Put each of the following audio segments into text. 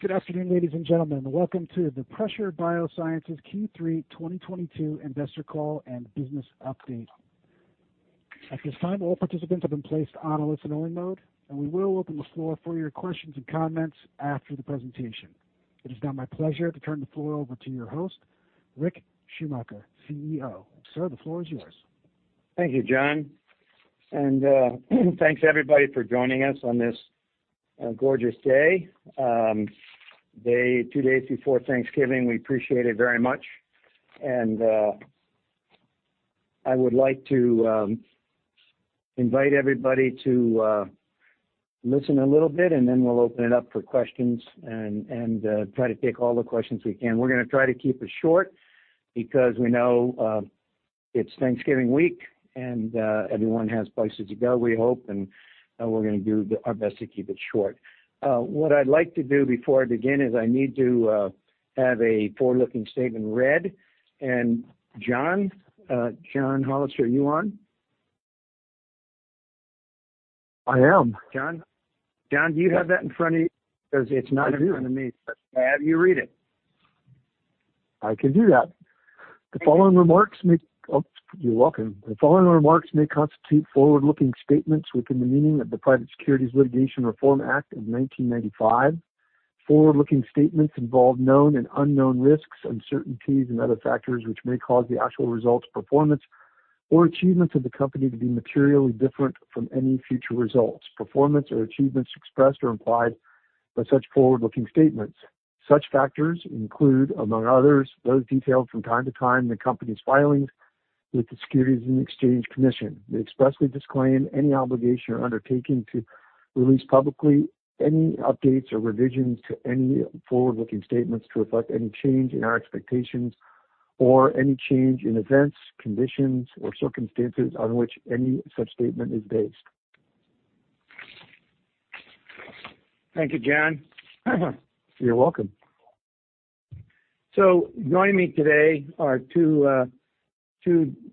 Good afternoon, ladies and gentlemen. Welcome to the Pressure BioSciences Q3 2022 investor call and business update. At this time, all participants have been placed on a listen only mode, and we will open the floor for your questions and comments after the presentation. It is now my pleasure to turn the floor over to your host, Rich Schumacher, CEO. Sir, the floor is yours. Thank you, John, thanks everybody for joining us on this gorgeous day. Two days before Thanksgiving, we appreciate it very much. I would like to invite everybody to listen a little bit, and then we'll open it up for questions and try to take all the questions we can. We're gonna try to keep it short because we know it's Thanksgiving week and everyone has places to go, we hope, and we're gonna do our best to keep it short. What I'd like to do before I begin is I need to have a forward-looking statement read. John Hollister, are you on? I am. John, do you have that in front of you? Because it's not in front of me. I do. May I have you read it? I can do that. Oh, you're welcome. The following remarks may constitute forward-looking statements within the meaning of the Private Securities Litigation Reform Act of 1995. Forward-looking statements involve known and unknown risks, uncertainties and other factors which may cause the actual results, performance, or achievements of the company to be materially different from any future results, performance or achievements expressed or implied by such forward-looking statements. Such factors include, among others, those detailed from time to time in the company's filings with the Securities and Exchange Commission. We expressly disclaim any obligation or undertaking to release publicly any updates or revisions to any forward-looking statements to reflect any change in our expectations or any change in events, conditions, or circumstances on which any such statement is based. Thank you, John. You're welcome. Joining me today are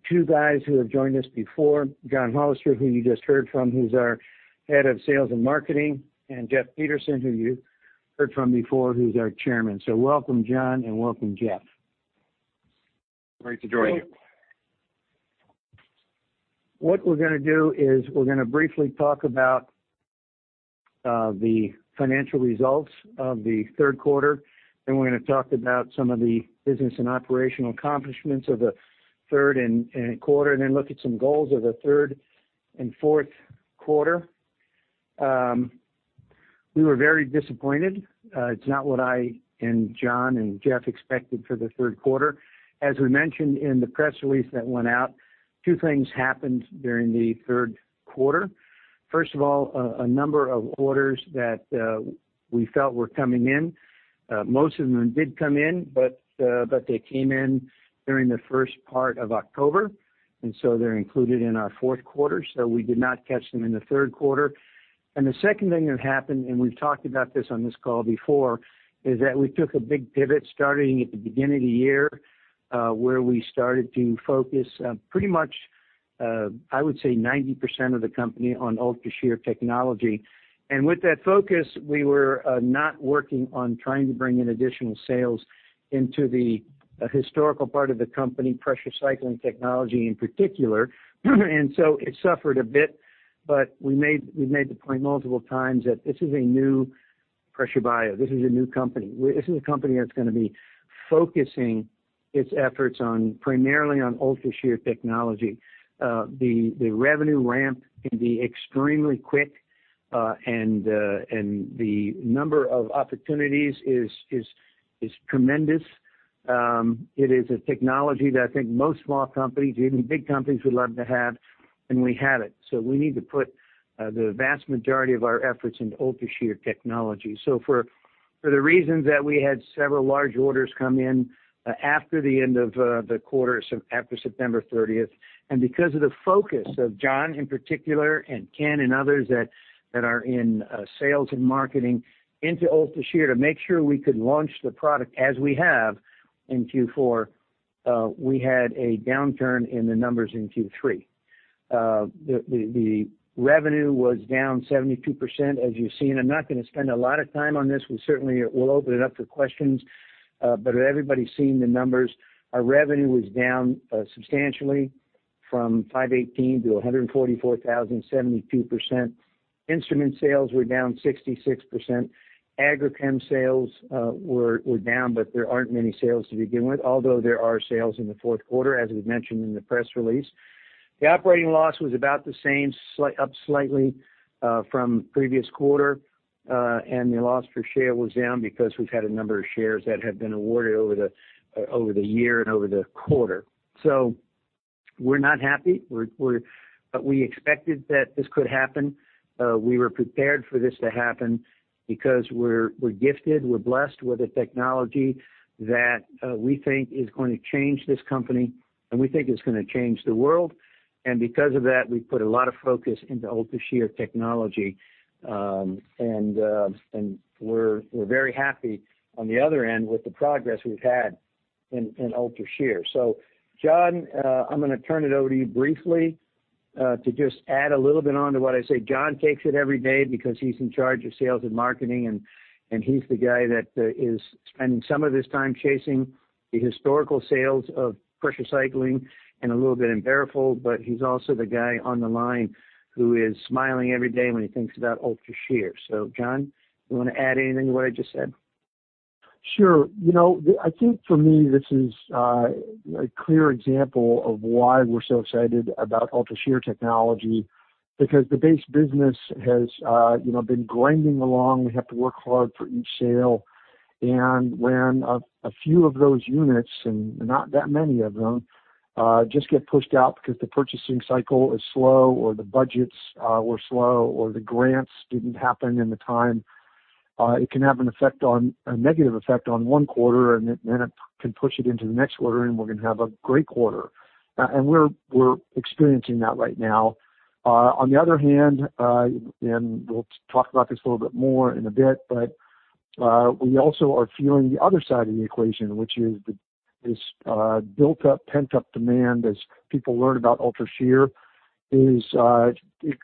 two guys who have joined us before. John Hollister, who you just heard from, who's our head of sales and marketing, and Jeff Peterson, who you've heard from before, who's our Chairman. Welcome John, and welcome Jeff. Great to join you. What we're gonna do is we're gonna briefly talk about the financial results of the third quarter. We're gonna talk about some of the business and operational accomplishments of the third quarter. Look at some goals of the third and fourth quarter. We were very disappointed. It's not what I and John and Jeff expected for the third quarter. We mentioned in the press release that went out, 2 things happened during the third quarter. A number of orders that we felt were coming in, most of them did come in, but they came in during the first part of October, they're included in our fourth quarter. We did not catch them in the third quarter. The second thing that happened, and we've talked about this on this call before, is that we took a big pivot starting at the beginning of the year, where we started to focus on pretty much, I would say 90% of the company on UltraShear technology. With that focus, we were not working on trying to bring in additional sales into the historical part of the company, Pressure Cycling Technology in particular. So it suffered a bit, but we made the point multiple times that this is a new Pressure BioSciences. This is a new company. This is a company that's gonna be focusing its efforts on primarily on UltraShear technology. The revenue ramp can be extremely quick, and the number of opportunities is tremendous. It is a technology that I think most small companies or even big companies would love to have, and we have it. We need to put the vast majority of our efforts into UltraShear technology. For the reasons that we had several large orders come in after the end of the quarter, after September 30th, and because of the focus of John in particular and Ken and others that are in sales and marketing into UltraShear to make sure we could launch the product as we have in Q4, we had a downturn in the numbers in Q3. The revenue was down 72% as you've seen. I'm not gonna spend a lot of time on this. We certainly will open it up for questions, but everybody's seen the numbers. Our revenue was down substantially from $518,000 to $144,000, 72%. Instrument sales were down 66%. Agri-chem sales were down, but there aren't many sales to begin with, although there are sales in the fourth quarter as we've mentioned in the press release. The operating loss was about the same, up slightly from previous quarter, and the loss per share was down because we've had a number of shares that have been awarded over the year and over the quarter. We're not happy. We expected that this could happen. We were prepared for this to happen because we're gifted, we're blessed with the technology that we think is gonna change this company, and we think it's gonna change the world. Because of that, we've put a lot of focus into UltraShear technology, and we're very happy on the other end with the progress we've had in UltraShear. John, I'm gonna turn it over to you briefly. To just add a little bit on to what I say, John takes it every day because he's in charge of sales and marketing, and he's the guy that is spending some of his time chasing the historical sales of Pressure Cycling and a little bit in BaroFold. He's also the guy on the line who is smiling every day when he thinks about UltraShear. John, you wanna add anything to what I just said? Sure. I think for me, this is a clear example of why we're so excited about UltraShear technology because the base business has, been grinding along. We have to work hard for each sale. When a few of those units, and not that many of them, just get pushed out because the purchasing cycle is slow or the budgets were slow or the grants didn't happen in the time, it can have a negative effect on one quarter, and it then can push it into the next quarter, and we're gonna have a great quarter. We're experiencing that right now. On the other hand, and we'll talk about this a little bit more in a bit, but, we also are feeling the other side of the equation, which is the, this, built up, pent-up demand as people learn about UltraShear is, it's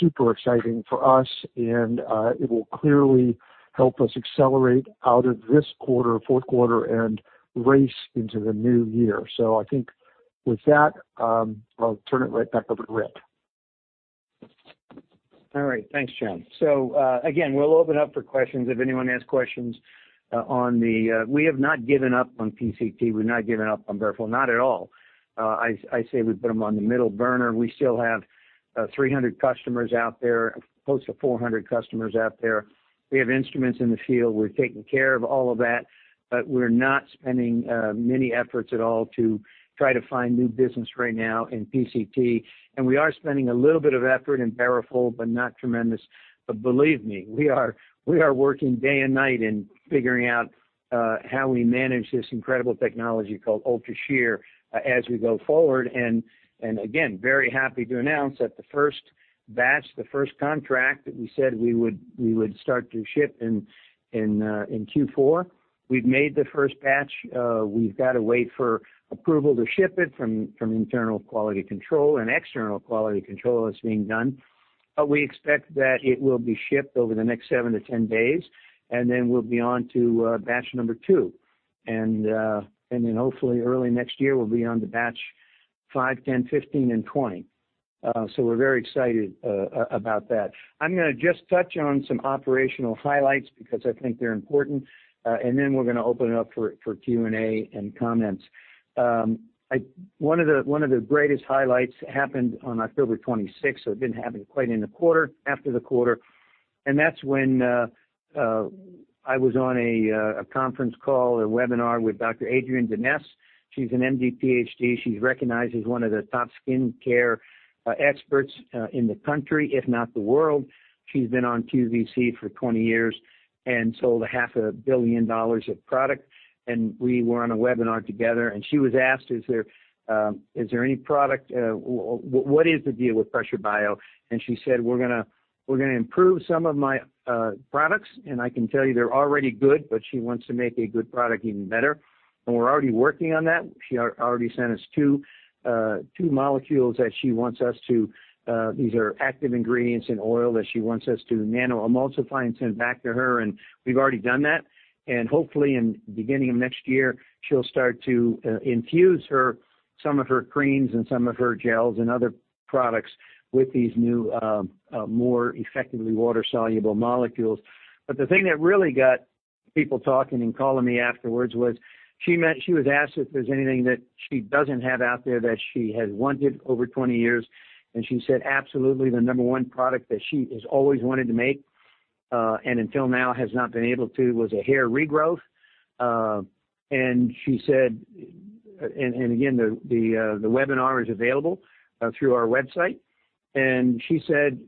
super exciting for us and, it will clearly help us accelerate out of this quarter, fourth quarter and race into the new year. I think with that, I'll turn it right back over to Rick. All right. Thanks, John. Again, we'll open up for questions if anyone has questions on the. We have not given up on PCT. We've not given up on BaroFold. Not at all. I say we put them on the middle burner. We still have 300 customers out there, close to 400 customers out there. We have instruments in the field. We're taking care of all of that, but we're not spending many efforts at all to try to find new business right now in PCT. We are spending a little bit of effort in BaroFold, but not tremendous. Believe me, we are working day and night in figuring out how we manage this incredible technology called UltraShear as we go forward. Again, very happy to announce that the first batch, the first contract that we said we would start to ship in Q4, we've made the first batch. We've got to wait for approval to ship it from internal quality control and external quality control that's being done. We expect that it will be shipped over the next 7 to 10 days, and then we'll be on to batch number two. Then hopefully early next year, we'll be on to batch 5, 10, 15, and 20. We're very excited about that. I'm gonna just touch on some operational highlights because I think they're important. Then we're gonna open it up for Q&A and comments. One of the greatest highlights happened on October 26th, so it didn't happen quite in the quarter, after the quarter. That's when I was on a conference call or webinar with Dr. Adrienne Denese. She's an M.D., Ph.D. She's recognized as one of the top skin care experts in the country, if not the world. She's been on QVC for 20 years and sold a half a billion dollars of product. We were on a webinar together, and she was asked, "Is there any product, what is the deal with Pressure Bio?" She said, "We're gonna improve some of my products." I can tell you they're already good, but she wants to make a good product even better. We're already working on that. She already sent us two molecules that she wants us to. These are active ingredients in oil that she wants us to nano-emulsify and send back to her, and we've already done that. Hopefully, in beginning of next year, she'll start to infuse her, some of her creams and some of her gels and other products with these new, more effectively water-soluble molecules. The thing that really got people talking and calling me afterwards was she was asked if there's anything that she doesn't have out there that she has wanted over 20 years. She said, absolutely the number one product that she has always wanted to make, and until now has not been able to, was a hair regrowth. She said. Again, the webinar is available through our website. She said,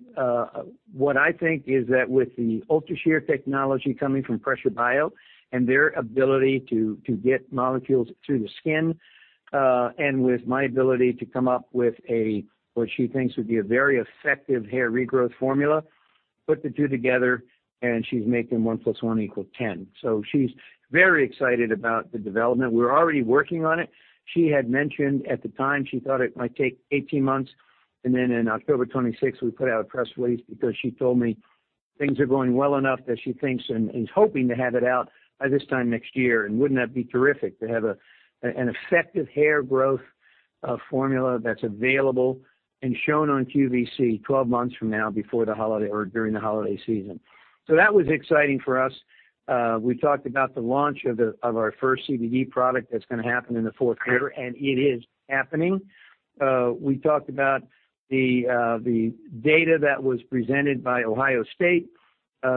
"What I think is that with the UltraShear technology coming from Pressure Bio and their ability to get molecules through the skin, and with my ability to come up with a," what she thinks would be a very effective hair regrowth formula, put the two together and she's making one plus one equal ten. She's very excited about the development. We're already working on it. She had mentioned at the time she thought it might take 18 months, in October 26th we put out a press release because she told me things are going well enough that she thinks and is hoping to have it out by this time next year. Wouldn't that be terrific to have an effective hair growth formula that's available and shown on QVC 12 months from now before the holiday or during the holiday season. That was exciting for us. We talked about the launch of our first CBD product that's gonna happen in the fourth quarter, and it is happening. We talked about the data that was presented by Ohio State.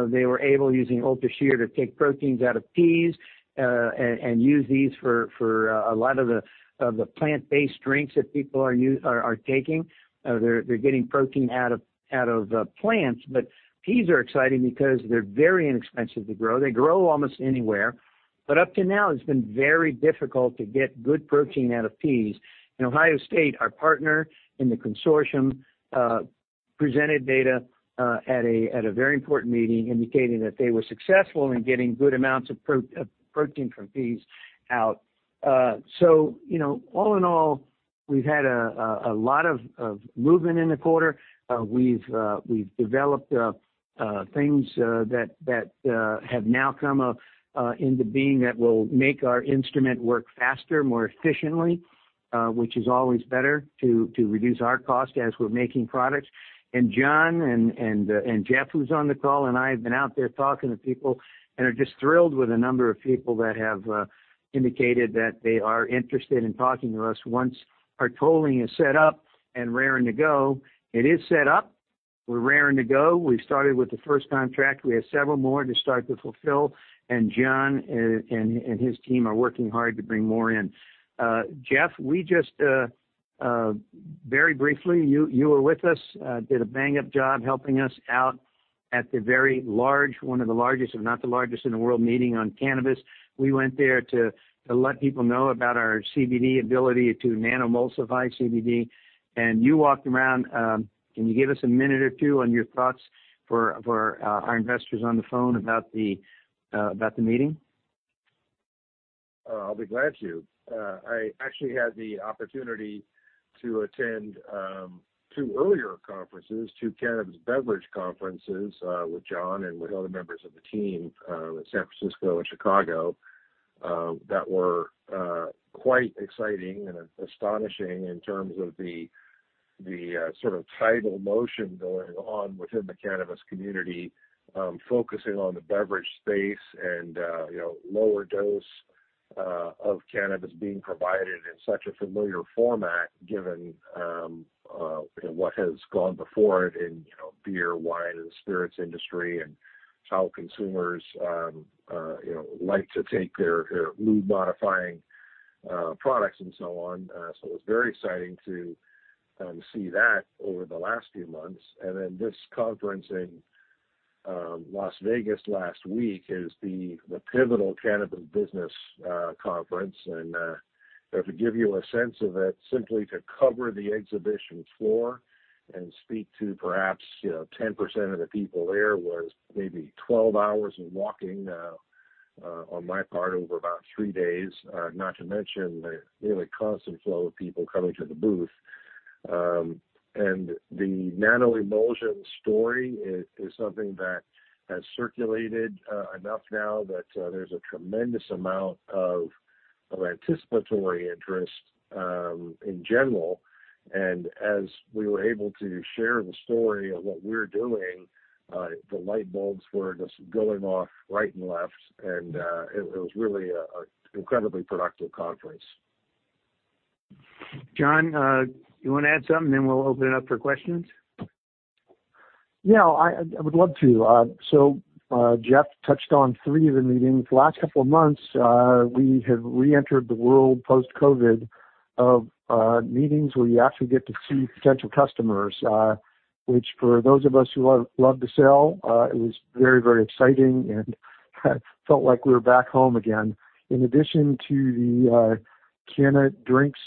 They were able, using UltraShear, to take proteins out of peas and use these for a lot of the plant-based drinks that people are taking. They're getting protein out of plants. Peas are exciting because they're very inexpensive to grow. They grow almost anywhere. Up to now, it's been very difficult to get good protein out of peas. The Ohio State University, our partner in the consortium, presented data at a very important meeting indicating that they were successful in getting good amounts of protein from peas out. All in all, we've had a lot of movement in the quarter. We've developed things that have now come up into being that will make our instrument work faster, more efficiently, which is always better to reduce our cost as we're making products. John and Jeff, who's on the call, and I have been out there talking to people and are just thrilled with the number of people that have indicated that they are interested in talking to us once our tolling is set up and raring to go. It is set up. We're raring to go. We started with the first contract. We have several more to start to fulfill. John and his team are working hard to bring more in. Jeff, we just very briefly, you were with us, did a bang-up job helping us out at the very large, one of the largest, if not the largest in the world, meeting on cannabis. We went there to let people know about our CBD ability to nano-emulsify CBD. You walked around, can you give us a minute or two on your thoughts for our investors on the phone about the meeting? I'll be glad to. I actually had the opportunity to attend two earlier conferences, two cannabis beverage conferences with John and with other members of the team in San Francisco and Chicago that were quite exciting and astonishing in terms of the sort of tidal motion going on within the cannabis community, focusing on the beverage space and lower dose of cannabis being provided in such a familiar format, given what has gone before it in beer, wine, and spirits industry and how consumers like to take their mood-modifying products and so on. So it's very exciting to see that over the last few months. This conference in Las Vegas last week is the pivotal cannabis business conference. To give you a sense of it, simply to cover the exhibition floor and speak to perhaps 10% of the people there was maybe 12 hours of walking on my part over about three days, not to mention the really constant flow of people coming to the booth. The nanoemulsion story is something that has circulated enough now that there's a tremendous amount of anticipatory interest in general. As we were able to share the story of what we're doing, the light bulbs were just going off right and left, and it was really a incredibly productive conference. John, you wanna add something, then we'll open it up for questions? I would love to. Jeff touched on three of the meetings. The last couple of months, we have reentered the world post-COVID of meetings where you actually get to see potential customers, which for those of us who love to sell, it was very, very exciting and felt like we were back home again. In addition to the Canna Drinks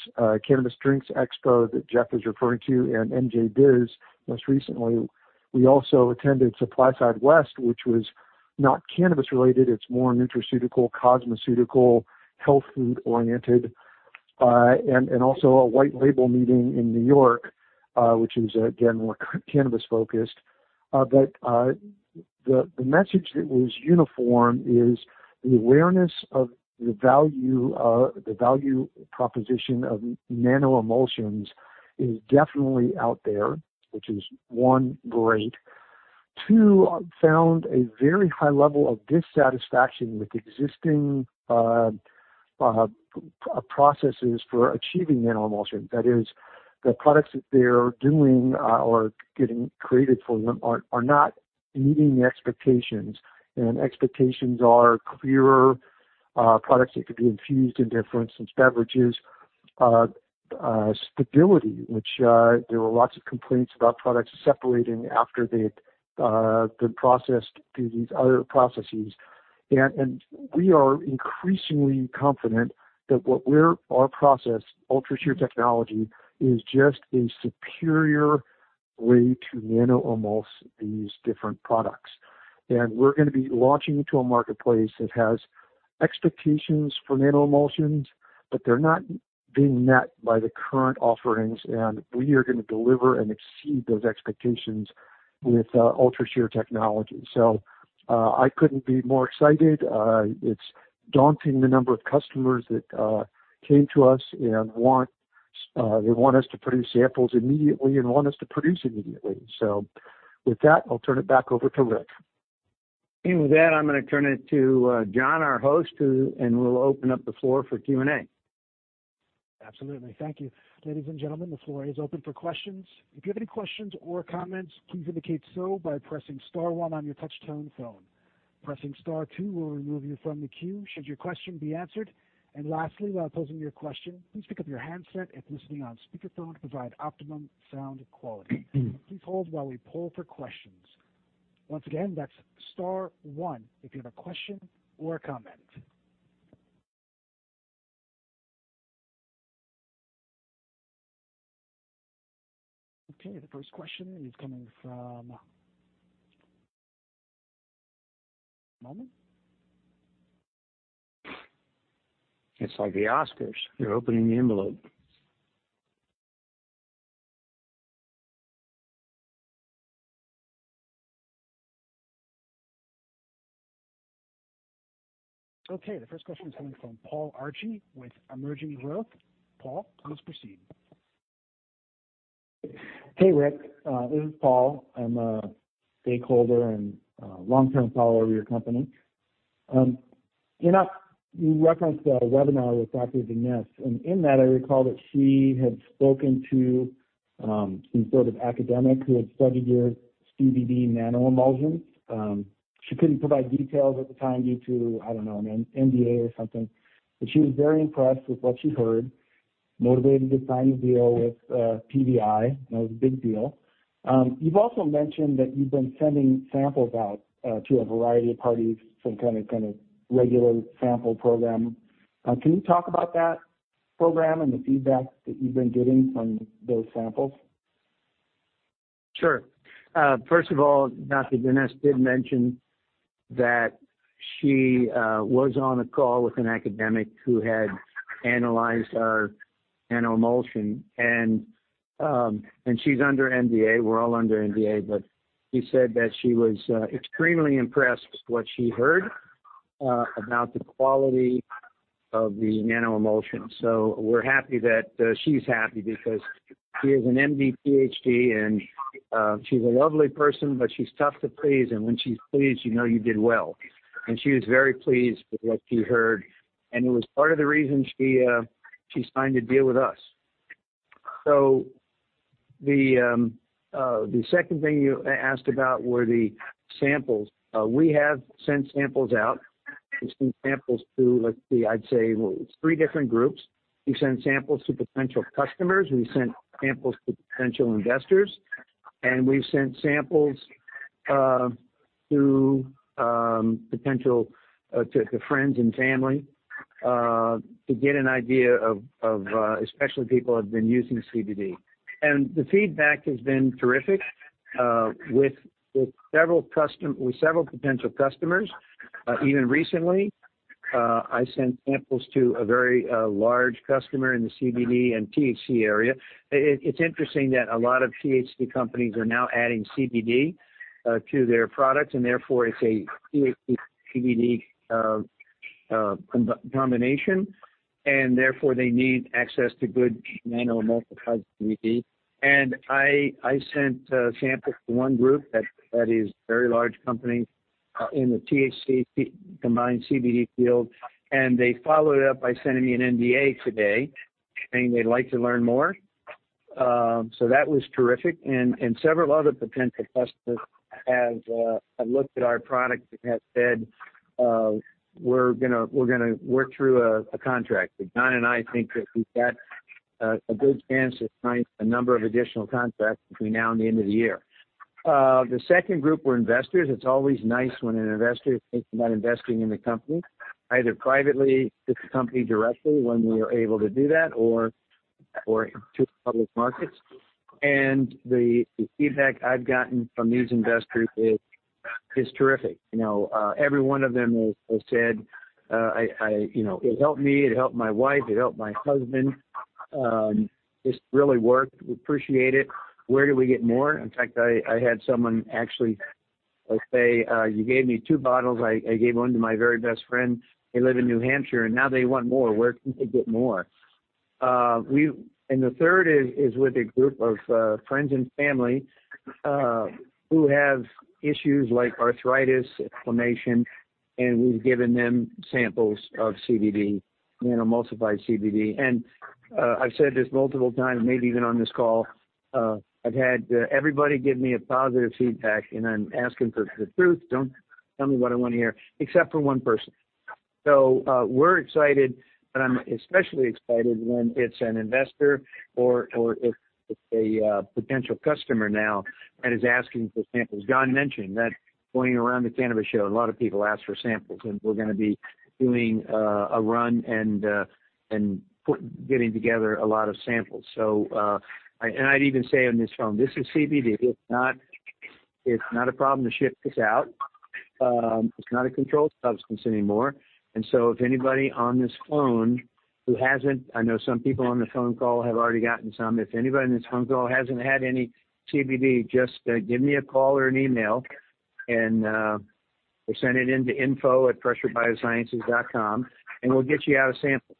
Cannabis Drinks Expo that Jeff is referring to and NJBiz, most recently, we also attended SupplySide West, which was not cannabis related. It's more nutraceutical, cosmeceutical, health food-oriented, and also a white label meeting in New York, which is again, more cannabis focused. The message that was uniform is the awareness of the value, the value proposition of nanoemulsions is definitely out there, which is, one, great. Two, found a very high level of dissatisfaction with existing processes for achieving nanoemulsion. That is, the products that they're doing or getting created for them are not meeting the expectations, and expectations are clearer products that could be infused into, for instance, beverages. Stability, which there were lots of complaints about products separating after they've been processed through these other processes. We are increasingly confident that our process, UltraShear technology, is just a superior way to nano-emulse these different products. We're gonna be launching into a marketplace that has expectations for nanoemulsions, but they're not being met by the current offerings. We are gonna deliver and exceed those expectations with UltraShear technology. I couldn't be more excited. It's daunting the number of customers that came to us and they want us to produce samples immediately and want us to produce immediately. With that, I'll turn it back over to Rick. With that, I'm gonna turn it to John, our host, and we'll open up the floor for Q&A. Absolutely. Thank you. Ladies and gentlemen, the floor is open for questions. If you have any questions or comments, please indicate so by pressing star one on your touchtone phone. Pressing star two will remove you from the queue should your question be answered. Lastly, while posing your question, please pick up your handset if listening on speakerphone to provide optimum sound quality. Please hold while we poll for questions. Once again, that's star one if you have a question or a comment. Okay, the first question is coming from. One moment. It's like the Oscars. They're opening the envelope. Okay, the first question is coming from Paul Archie with Emerging Growth. Paul, please proceed. Hey, Rick. This is Paul. I'm a stakeholder and a long-term follower of your company. You referenced a webinar with Dr. Adrienne Denese, and in that, I recall that she had spoken to some sort of academic who had studied your CBD nanoemulsion. She couldn't provide details at the time due to, I don't know, an NDA or something. She was very impressed with what she heard, motivated to sign a deal with PBI. That was a big deal. You've also mentioned that you've been sending samples out to a variety of parties, some kind of regular sample program. Can you talk about that program and the feedback that you've been getting from those samples? Sure. First of all, Dr. Denese did mention that she was on a call with an academic who had analyzed our nanoemulsion. She's under NDA. We're all under NDA, but she said that she was extremely impressed with what she heard about the quality of the nanoemulsion. We're happy that she's happy because she is an M.D., Ph.D. and she's a lovely person, but she's tough to please. When she's pleased you did well. She was very pleased with what she heard, and it was part of the reason she signed a deal with us. The second thing you asked about were the samples. We have sent samples out. We've sent samples to, let's see, I'd say, well, it's three different groups. We've sent samples to potential customers, we've sent samples to potential investors, we've sent samples to potential friends and family to get an idea of especially people who have been using CBD. The feedback has been terrific with several potential customers. Even recently I sent samples to a very large customer in the CBD and THC area. It's interesting that a lot of THC companies are now adding CBD to their products, therefore it's a THC, CBD, combination, therefore, they need access to good nano-emulsified CBD. I sent a sample to one group that is a very large company in the THC combined CBD field. They followed up by sending me an NDA today, saying they'd like to learn more. That was terrific. Several other potential customers have looked at our product and have said, "We're gonna, we're gonna work through a contract." John and I think that we've got a good chance to sign a number of additional contracts between now and the end of the year. The second group were investors. It's always nice when an investor thinks about investing in the company, either privately with the company directly when we are able to do that or through public markets. The feedback I've gotten from these investors is terrific. Every one of them has said, "It helped me. It helped my wife. It helped my husband. This really worked. We appreciate it. Where do we get more?" In fact, I had someone actually say, "You gave me 2 bottles. I gave 1 to my very best friend. They live in New Hampshire, now they want more. Where can they get more?" The third is with a group of friends and family who have issues like arthritis, inflammation, and we've given them samples of CBD, nano-emulsified CBD. I've said this multiple times, maybe even on this call, I've had everybody give me a positive feedback and I'm asking for the truth, "Don't tell me what I wanna hear," except for 1 person. We're excited, but I'm especially excited when it's an investor or if it's a potential customer now and is asking for samples. John mentioned that going around the cannabis show, a lot of people ask for samples, and we're gonna be doing a run and getting together a lot of samples, so. I'd even say on this phone, this is CBD. It's not a problem to ship this out. It's not a controlled substance anymore. If anybody on this phone who hasn't, I know some people on the phone call have already gotten some. If anybody on this phone call hasn't had any CBD, just give me a call or an email or send it into info@pressurebiosciences.com and we'll get you out a sample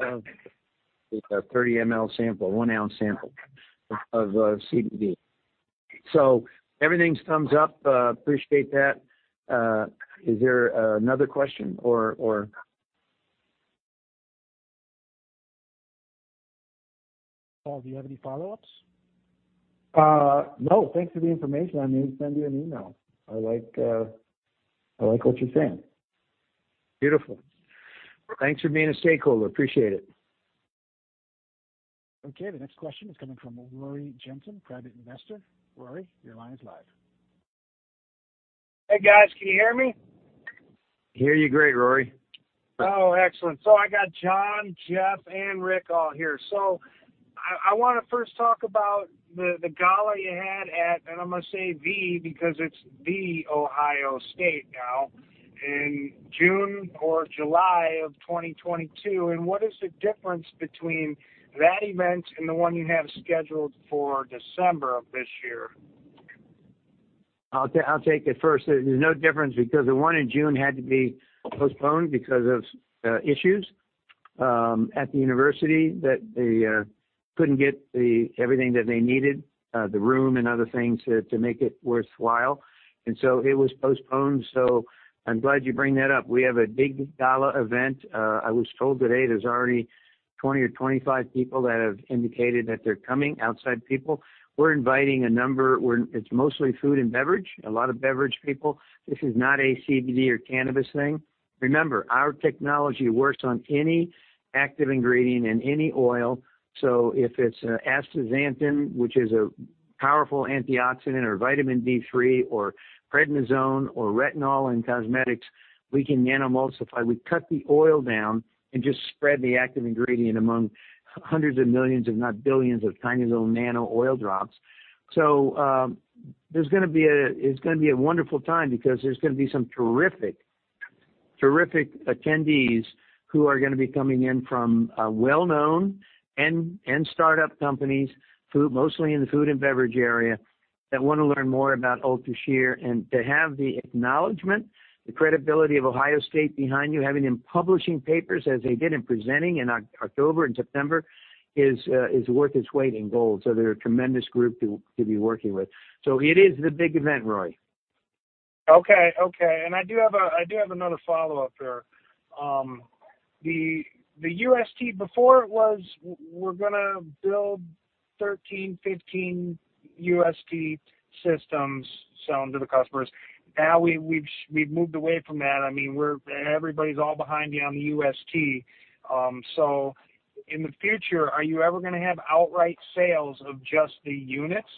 of a 30 ml sample, 1 ounce sample of CBD. Everything's thumbs up. Appreciate that. Is there another question or? Paul, do you have any follow-ups? No. Thanks for the information. I may send you an email. I like what you're saying. Beautiful. Thanks for being a stakeholder. Appreciate it. Okay, the next question is coming from Rory Jensen, private investor. Rory, your line is live. Hey guys, can you hear me? Hear you great, Rory. Excellent. I got John, Jeff, and Rick all here. I wanna first talk about the gala you had at, and I'm gonna say the because it's The Ohio State now, in June or July of 2022. What is the difference between that event and the one you have scheduled for December of this year? I'll take it first. There's no difference because the one in June had to be postponed because of issues at the university that they couldn't get everything that they needed, the room and other things to make it worthwhile. It was postponed. I'm glad you bring that up. We have a big gala event. I was told today there's already 20 or 25 people that have indicated that they're coming, outside people. We're inviting a number. It's mostly food and beverage, a lot of beverage people. This is not a CBD or cannabis thing. Remember, our technology works on any active ingredient in any oil. If it's astaxanthin, which is a powerful antioxidant, or vitamin D3, or prednisone, or retinol in cosmetics, we can nano-emulsify. We cut the oil down and just spread the active ingredient among hundreds of millions, if not billions, of tiny little nano oil drops. There's gonna be a wonderful time because there's gonna be some terrific attendees who are gonna be coming in from well-known and start-up companies, mostly in the food and beverage area, that wanna learn more about UltraShear. To have the acknowledgement, the credibility of Ohio State behind you, having them publishing papers as they did in presenting in October and September, is worth its weight in gold. They're a tremendous group to be working with. It is the big event, Rory. Okay. I do have another follow-up here. The UST before was we're gonna build 13, 15 UST systems selling to the customers. Now, we've moved away from that. I mean, everybody's all behind you on the UST. In the future, are you ever gonna have outright sales of just the units?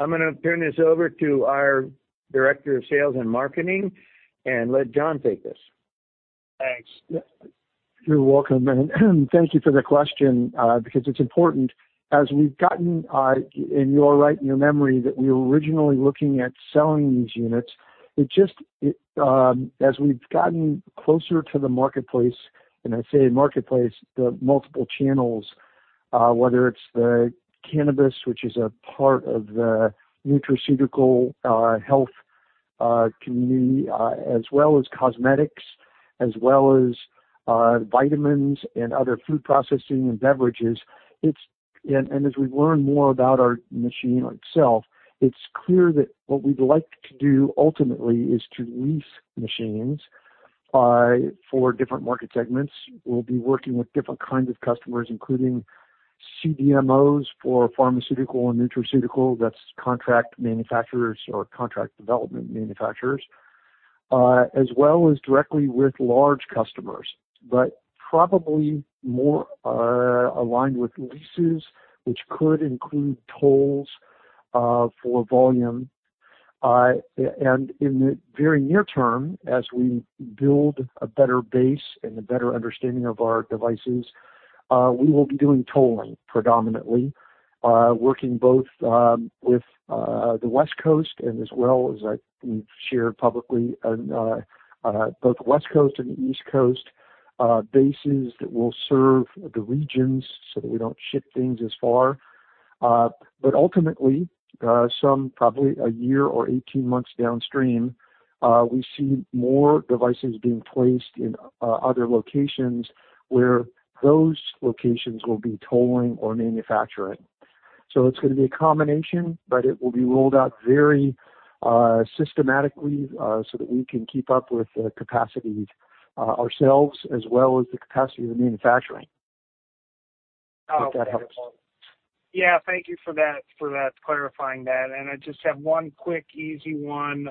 I'm gonna turn this over to our director of sales and marketing, and let John take this. Thanks. You're welcome. Thank you for the question, because it's important. As we've gotten, and you're right in your memory that we were originally looking at selling these units. It just as we've gotten closer to the marketplace, and I say marketplace, the multiple channels, whether it's the cannabis, which is a part of the nutraceutical health community, as well as cosmetics, as well as vitamins and other food processing and beverages. As we learn more about our machine itself, it's clear that what we'd like to do ultimately is to lease machines for different market segments. We'll be working with different kinds of customers, including CDMOs for pharmaceutical and nutraceutical, that's contract manufacturers or contract development manufacturers, as well as directly with large customers. Probably more aligned with leases, which could include tolls for volume. In the very near term, as we build a better base and a better understanding of our devices, we will be doing tolling predominantly, working both with the West Coast and as well as, I think, shared publicly, both West Coast and the East Coast bases that will serve the regions so that we don't ship things as far. Ultimately, some probably a year or 18 months downstream, we see more devices being placed in other locations where those locations will be tolling or manufacturing. It's gonna be a combination, but it will be rolled out very systematically so that we can keep up with the capacity ourselves as well as the capacity of the manufacturing. If that helps. Yeah. Thank you for that, clarifying that. I just have one quick, easy one.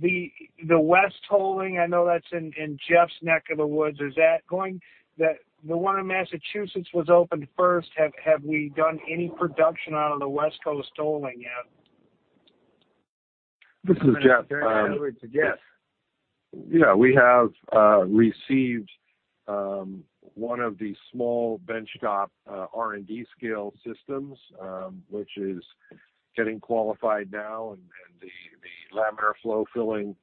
The West tolling, I know that's in Jeff's neck of the woods. The one in Massachusetts was opened first. Have we done any production out of the West Coast tolling yet? This is Jeff. To Jeff. Yeah. We have received one of the small benchtop R&D scale systems, which is getting qualified now, and the laminar flow filling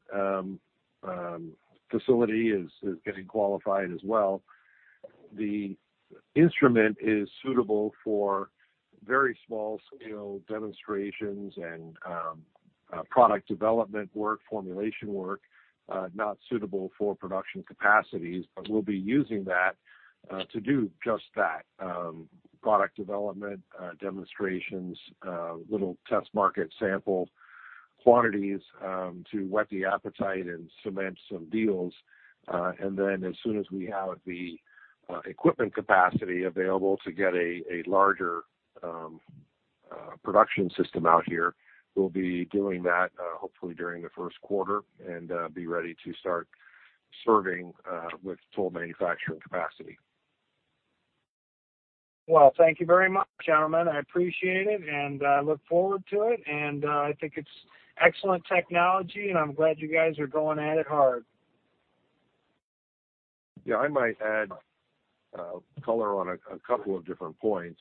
facility is getting qualified as well. The instrument is suitable for very small scale demonstrations and product development work, formulation work, not suitable for production capacities, but we'll be using that to do just that, product development, demonstrations, little test market sample quantities, to whet the appetite and cement some deals. As soon as we have the equipment capacity available to get a larger production system out here, we'll be doing that, hopefully during the first quarter and be ready to start serving with toll manufacturing capacity. Well, thank you very much, gentlemen. I appreciate it, and I look forward to it. I think it's excellent technology, and I'm glad you guys are going at it hard. Yeah. I might add color on a couple of different points.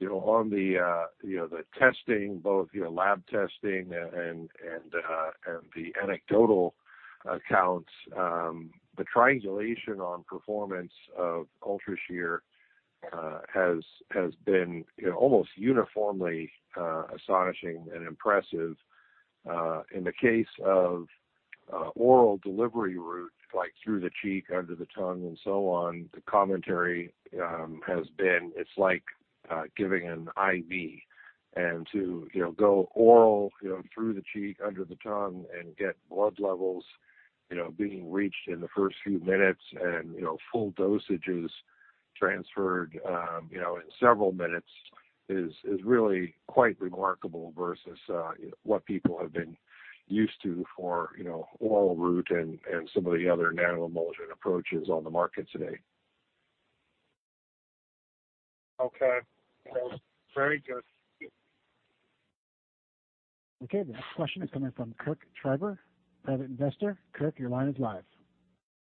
n the, The testing, both lab testing and the anecdotal accounts, the triangulation on performance of UltraShear has been almost uniformly astonishing and impressive. In the case of oral delivery route, like through the cheek, under the tongue, and so on, the commentary has been it's like giving an IV. To go oral through the cheek, under the tongue and get blood levels being reached in the first few minutes and full dosages transferred in several minutes is really quite remarkable versus what people have been used to for oral route and some of the other nanoemulsion approaches on the market today. Okay. That was very good. Okay. The next question is coming from Kirk Treiber, Private Investor. Kirk, your line is live.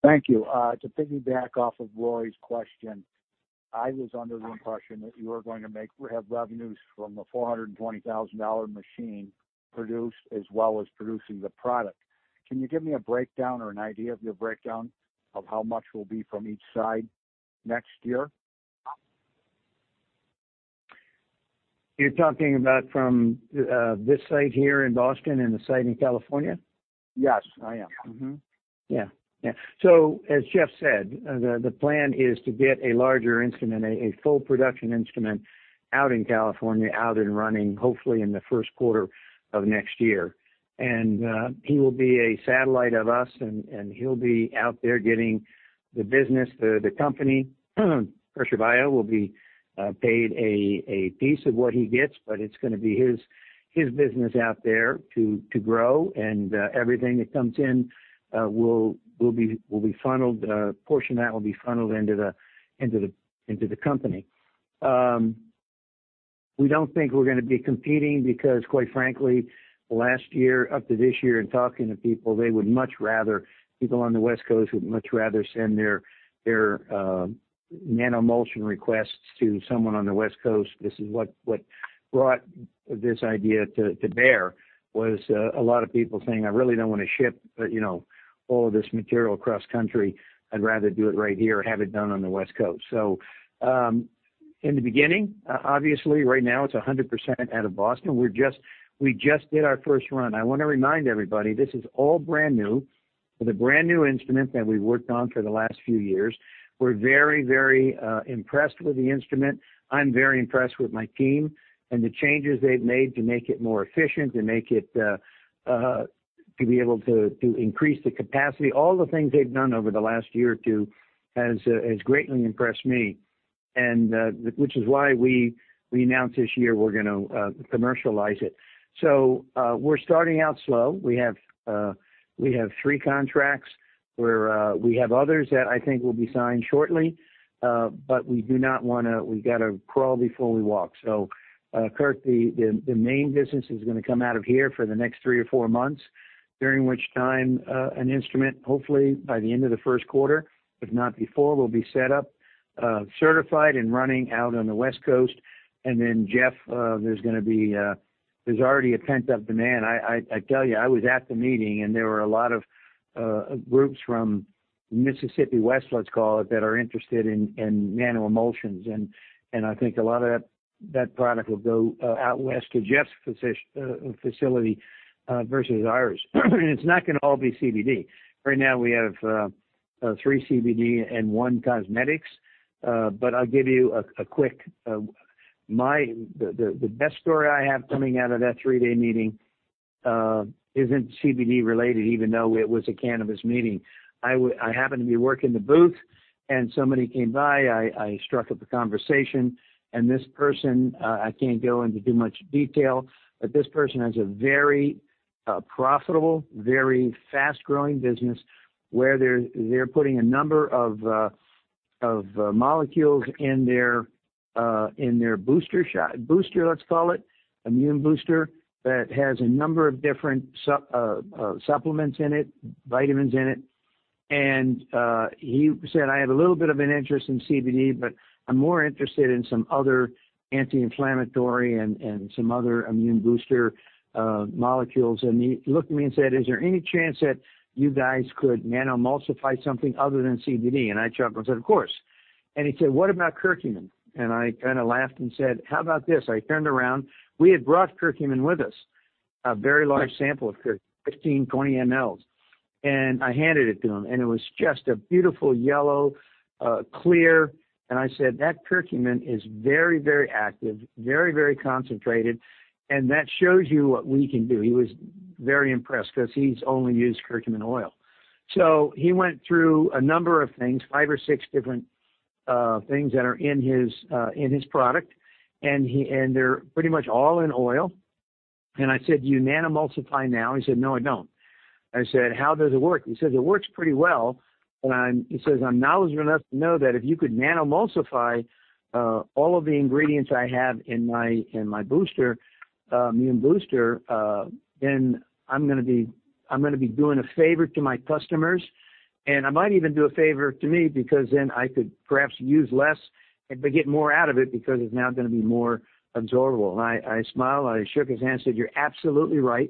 Thank you. To piggyback off of Rory's question, I was under the impression that you were going to have revenues from the $420,000 machine produced as well as producing the product. Can you give me a breakdown or an idea of your breakdown of how much will be from each side next year? You're talking about from, this site here in Boston and the site in California? Yes, I am. Yeah. As Jeff said, the plan is to get a larger instrument, a full production instrument out in California, out and running, hopefully in the first quarter of next year. He will be a satellite of us, and he'll be out there getting the business. The company, Pressure Bio will be paid a piece of what he gets, but it's gonna be his business out there to grow. Everything that comes in will be funneled. A portion of that will be funneled into the company. We don't think we're gonna be competing because quite frankly, last year up to this year in talking to people, they would much rather... people on the West Coast would much rather send their nanoemulsion requests to someone on the West Coast. This is what brought this idea to bear, was a lot of people saying, "I really don't wanna ship all of this material cross-country. I'd rather do it right here or have it done on the West Coast." In the beginning, obviously right now it's 100% out of Boston. We just did our first run. I wanna remind everybody, this is all brand new. With a brand new instrument that we worked on for the last few years. We're very impressed with the instrument. I'm very impressed with my team and the changes they've made to make it more efficient, to make it to be able to increase the capacity. All the things they've done over the last year or two has greatly impressed me, and which is why we announced this year we're gonna commercialize it. We're starting out slow. We have three contracts. We have others that I think will be signed shortly, but we do not we gotta crawl before we walk. Kirk, the main business is gonna come out of here for the next three or four months, during which time an instrument, hopefully by the end of the first quarter, if not before, will be set up, certified and running out on the West Coast. Jeff, there's gonna be there's already a pent-up demand. I tell you, I was at the meeting and there were a lot of groups from Mississippi West, let's call it, that are interested in nanoemulsions. I think a lot of that product will go out west to Jeff's facility versus ours. It's not gonna all be CBD. Right now we have three CBD and one cosmetics. I'll give you a quick. The best story I have coming out of that three-day meeting isn't CBD related, even though it was a cannabis meeting. I happened to be working the booth and somebody came by, I struck up a conversation and this person, I can't go into too much detail, but this person has a very profitable, very fast-growing business where they're putting a number of molecules in their in their booster shot. Booster, let's call it, immune booster that has a number of different supplements in it, vitamins in it. He said, "I have a little bit of an interest in CBD, but I'm more interested in some other anti-inflammatory and some other immune booster molecules." He looked at me and said, "Is there any chance that you guys could nano-emulsify something other than CBD?" I jumped and said, "Of course." He said, "What about curcumin?" I kinda laughed and said, "How about this?" I turned around. We had brought curcumin with us, a very large sample of 15, 20 mLs, and I handed it to him, and it was just a beautiful yellow, clear. I said, "That curcumin is very, very active, very, very concentrated, and that shows you what we can do." He was very impressed 'cause he's only used curcumin oil. He went through a number of things, five or six different things that are in his in his product. They're pretty much all in oil. And I said, "Do you nano-emulsify now?" He said, "No, I don't." I said, "How does it work?" He says, "It works pretty well. I'm..." He says, "I'm knowledgeable enough to know that if you could nano-emulsify all of the ingredients I have in my, in my booster, immune booster, then I'm gonna be, I'm gonna be doing a favor to my customers, and I might even do a favor to me because then I could perhaps use less and but get more out of it because it's now gonna be more absorbable." I smiled, I shook his hand, said, "You're absolutely right."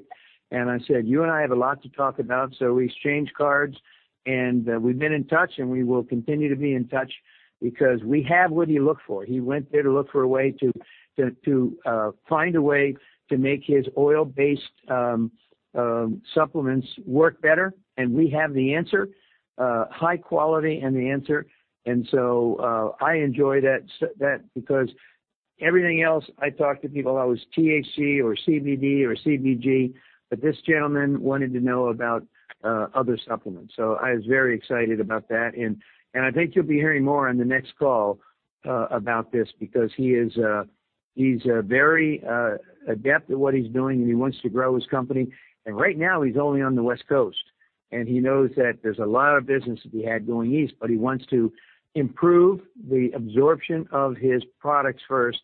I said, "You and I have a lot to talk about." We exchanged cards and we've been in touch, and we will continue to be in touch because we have what he looked for. He went there to look for a way to find a way to make his oil-based supplements work better. We have the answer, high quality and the answer. I enjoy that because everything else I talk to people, always THC or CBD or CBG, but this gentleman wanted to know about other supplements. I was very excited about that. I think you'll be hearing more on the next call about this because he is, he's very adept at what he's doing and he wants to grow his company. Right now, he's only on the West Coast, and he knows that there's a lot of business to be had going east, but he wants to improve the absorption of his products first.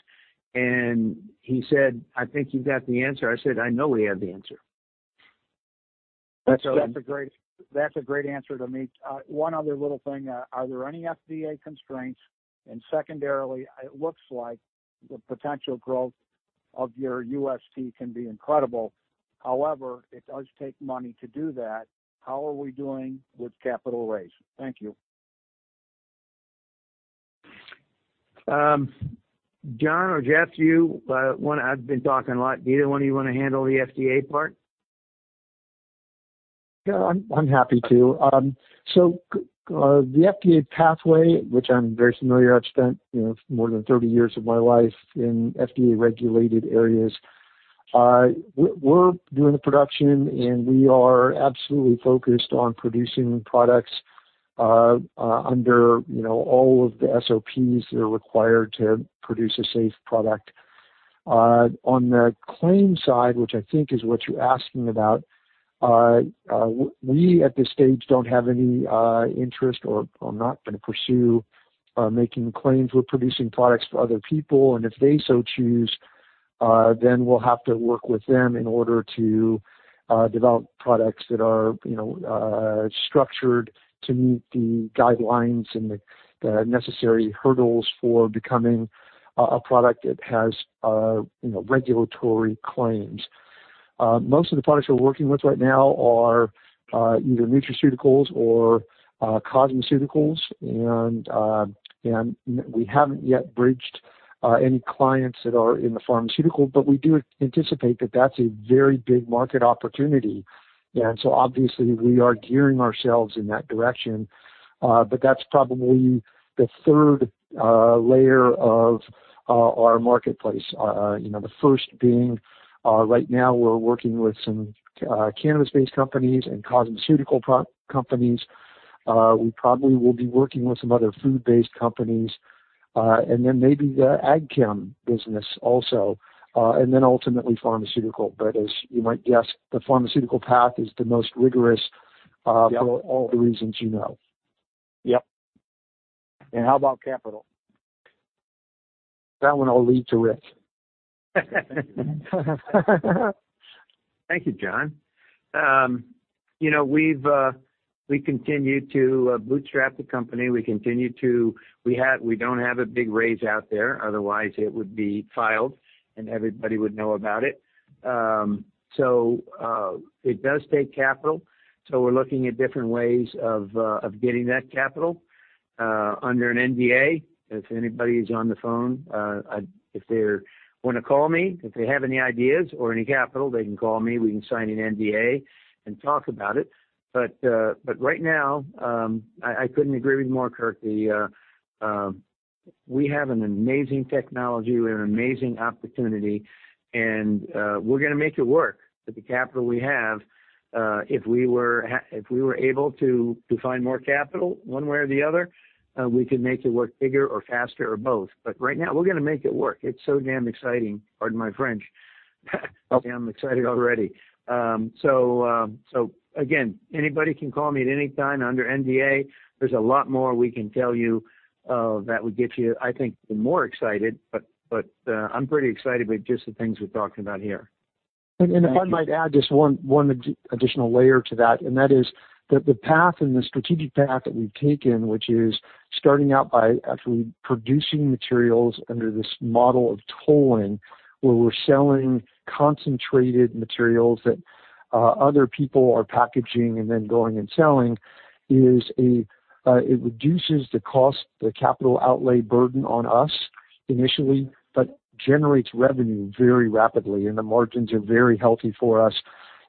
He said, "I think you got the answer." I said, "I know we have the answer. That's a great answer to me. One other little thing. Are there any FDA constraints? Secondarily, it looks like the potential growth of your UST can be incredible. However, it does take money to do that. How are we doing with capital raise? Thank you. John or Jeff, I've been talking a lot. Do either one of you wanna handle the FDA part? I'm happy to. The FDA pathway, which I'm very familiar, I've spent, you know, more than 30 years of my life in FDA regulated areas. We're doing the production, we are absolutely focused on producing products under, you know, all of the SOPs that are required to produce a safe product. On the claim side, which I think is what you're asking about, we at this stage don't have any interest or are not gonna pursue making claims. We're producing products for other people, if they so choose, then we'll have to work with them in order to develop products that are, you know, structured to meet the guidelines and the necessary hurdles for becoming a product that has, you know, regulatory claims. Most of the products we're working with right now are either nutraceuticals or cosmeceuticals. We haven't yet bridged any clients that are in the pharmaceutical, but we do anticipate that that's a very big market opportunity. Obviously we are gearing ourselves in that direction. That's probably the third layer of our marketplace. You know, the first being right now we're working with some cannabis-based companies and cosmeceutical companies. We probably will be working with some other food-based companies, and then maybe the ag chem business also, and then ultimately pharmaceutical. As you might guess, the pharmaceutical path is the most rigorous. Yep. for all the reasons you know. Yep. How about capital? That one I'll leave to Rich. Thank you, John. You know, we've, we continue to bootstrap the company. We don't have a big raise out there, otherwise it would be filed and everybody would know about it. It does take capital. We're looking at different ways of getting that capital under an NDA. If anybody's on the phone, if they're wanna call me, if they have any ideas or any capital, they can call me. We can sign an NDA and talk about it. Right now, I couldn't agree with you more, Kirk. We have an amazing technology. We have an amazing opportunity, and we're gonna make it work with the capital we have. If we were able to find more capital one way or the other, we could make it work bigger or faster or both. Right now, we're gonna make it work. It's so damn exciting. Pardon my French. Okay. I'm excited already. Again, anybody can call me at any time under NDA. There's a lot more we can tell you, that would get you, I think, more excited, but I'm pretty excited with just the things we've talked about here. If I might add just one additional layer to that, and that is that the path and the strategic path that we've taken, which is starting out by actually producing materials under this model of tolling, where we're selling concentrated materials that other people are packaging and then going and selling, is it reduces the cost, the capital outlay burden on us initially, but generates revenue very rapidly, and the margins are very healthy for us.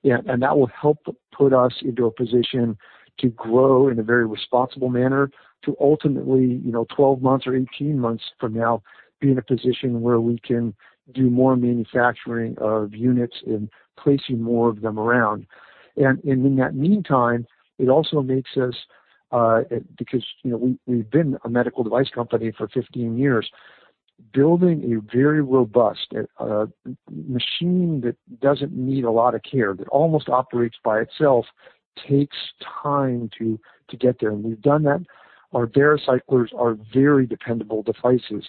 That will help put us into a position to grow in a very responsible manner to ultimately, you know, 12 months or 18 months from now, be in a position where we can do more manufacturing of units and placing more of them around. In that meantime, it also makes us Because, you know, we've been a medical device company for 15 years. Building a very robust machine that doesn't need a lot of care, that almost operates by itself, takes time to get there. We've done that. Our BaroCyclers are very dependable devices.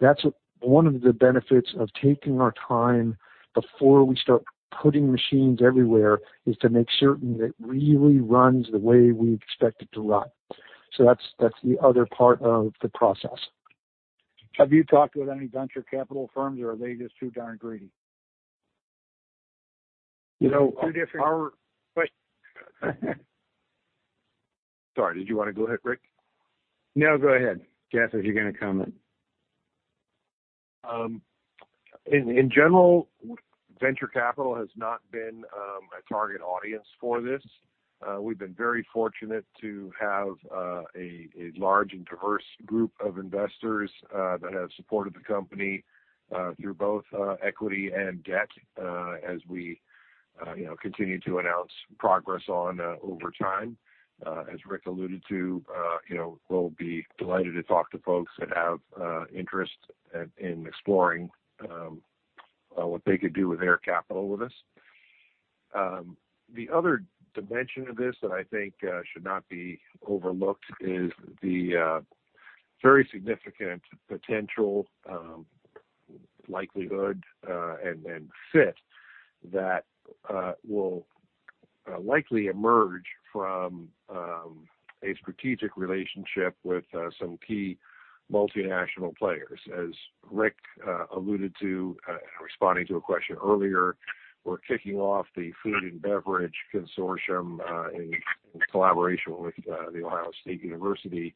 That's one of the benefits of taking our time before we start putting machines everywhere is to make certain that it really runs the way we expect it to run. That's the other part of the process. Have you talked with any venture capital firms, or are they just too darn greedy? You know. Two different quest- Sorry, did you wanna go ahead, Rick? No, go ahead. Jeff, if you're gonna comment. In general, venture capital has not been a target audience for this. We've been very fortunate to have a large and diverse group of investors that have supported the company through both equity and debt, as we, you know, continue to announce progress on over time. As Rick alluded to, you know, we'll be delighted to talk to folks that have interest in exploring what they could do with their capital with us. The other dimension of this that I think should not be overlooked is the very significant potential, likelihood, and fit that will likely emerge from a strategic relationship with some key multinational players. As Rich alluded to, in responding to a question earlier, we're kicking off the food and beverage consortium, in collaboration with The Ohio State University.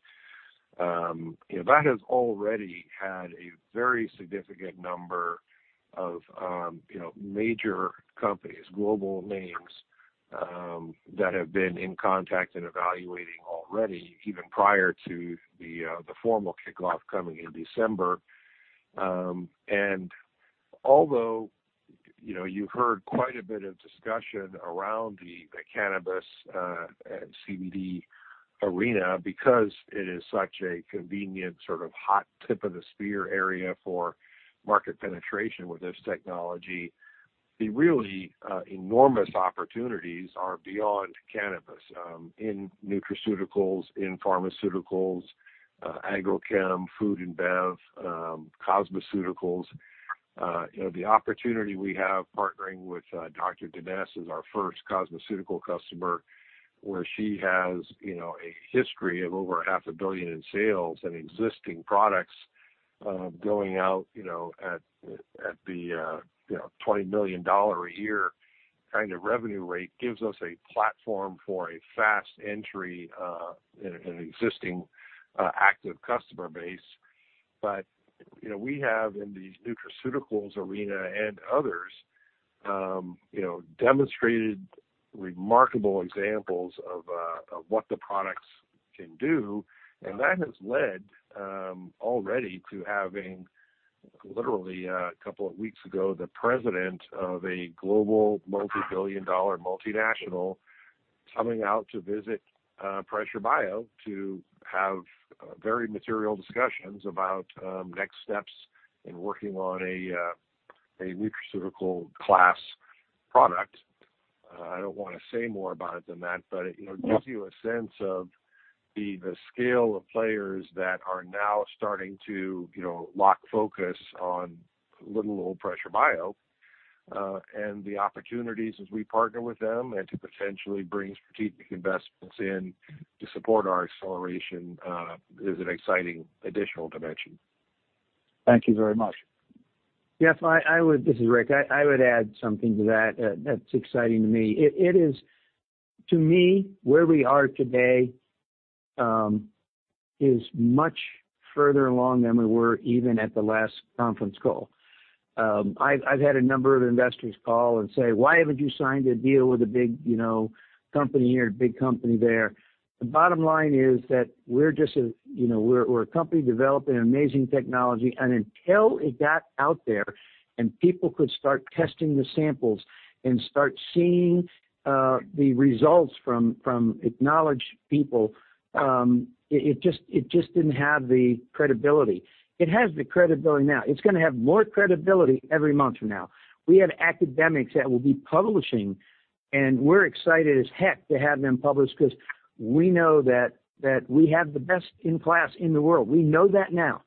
You know, that has already had a very significant number of, you know, major companies, global names, that have been in contact and evaluating already even prior to the formal kickoff coming in December. Although, you know, you've heard quite a bit of discussion around the cannabis and CBD arena because it is such a convenient sort of hot tip of the spear area for market penetration with this technology, the really enormous opportunities are beyond cannabis, in nutraceuticals, in pharmaceuticals, agrochem, food and bev, cosmeceuticals. You know, the opportunity we have partnering with, Dr. Denese as our first cosmeceutical customer, where she has, you know, a history of over half a billion dollars in sales and existing products, going out, you know, at the, you know, $20 million a year kind of revenue rate gives us a platform for a fast entry in an existing active customer base. You know, we have in the nutraceuticals arena and others, you know, demonstrated remarkable examples of what the products can do. That has led already to having literally, a couple of weeks ago, the president of a global multi-billion dollar multinational coming out to visit Pressure Bio to have very material discussions about next steps in working on a nutraceutical class product. I don't wanna say more about it than that, but, you know, it gives you a sense of the scale of players that are now starting to, you know, lock focus on little old Pressure Bio. The opportunities as we partner with them and to potentially bring strategic investments in to support our acceleration, is an exciting additional dimension. Thank you very much. Jeff, I would. This is Rick. I would add something to that that's exciting to me. It is. To me, where we are today, is much further along than we were even at the last conference call. I've had a number of investors call and say, "Why haven't you signed a deal with a big, you know, company here, big company there?" The bottom line is that we're just a, you know, we're a company developing an amazing technology, and until it got out there and people could start testing the samples and start seeing the results from acknowledged people, it just didn't have the credibility. It has the credibility now. It's gonna have more credibility every month from now. We have academics that will be publishing. We're excited as heck to have them publish because we know that we have the best in class in the world. We know that now.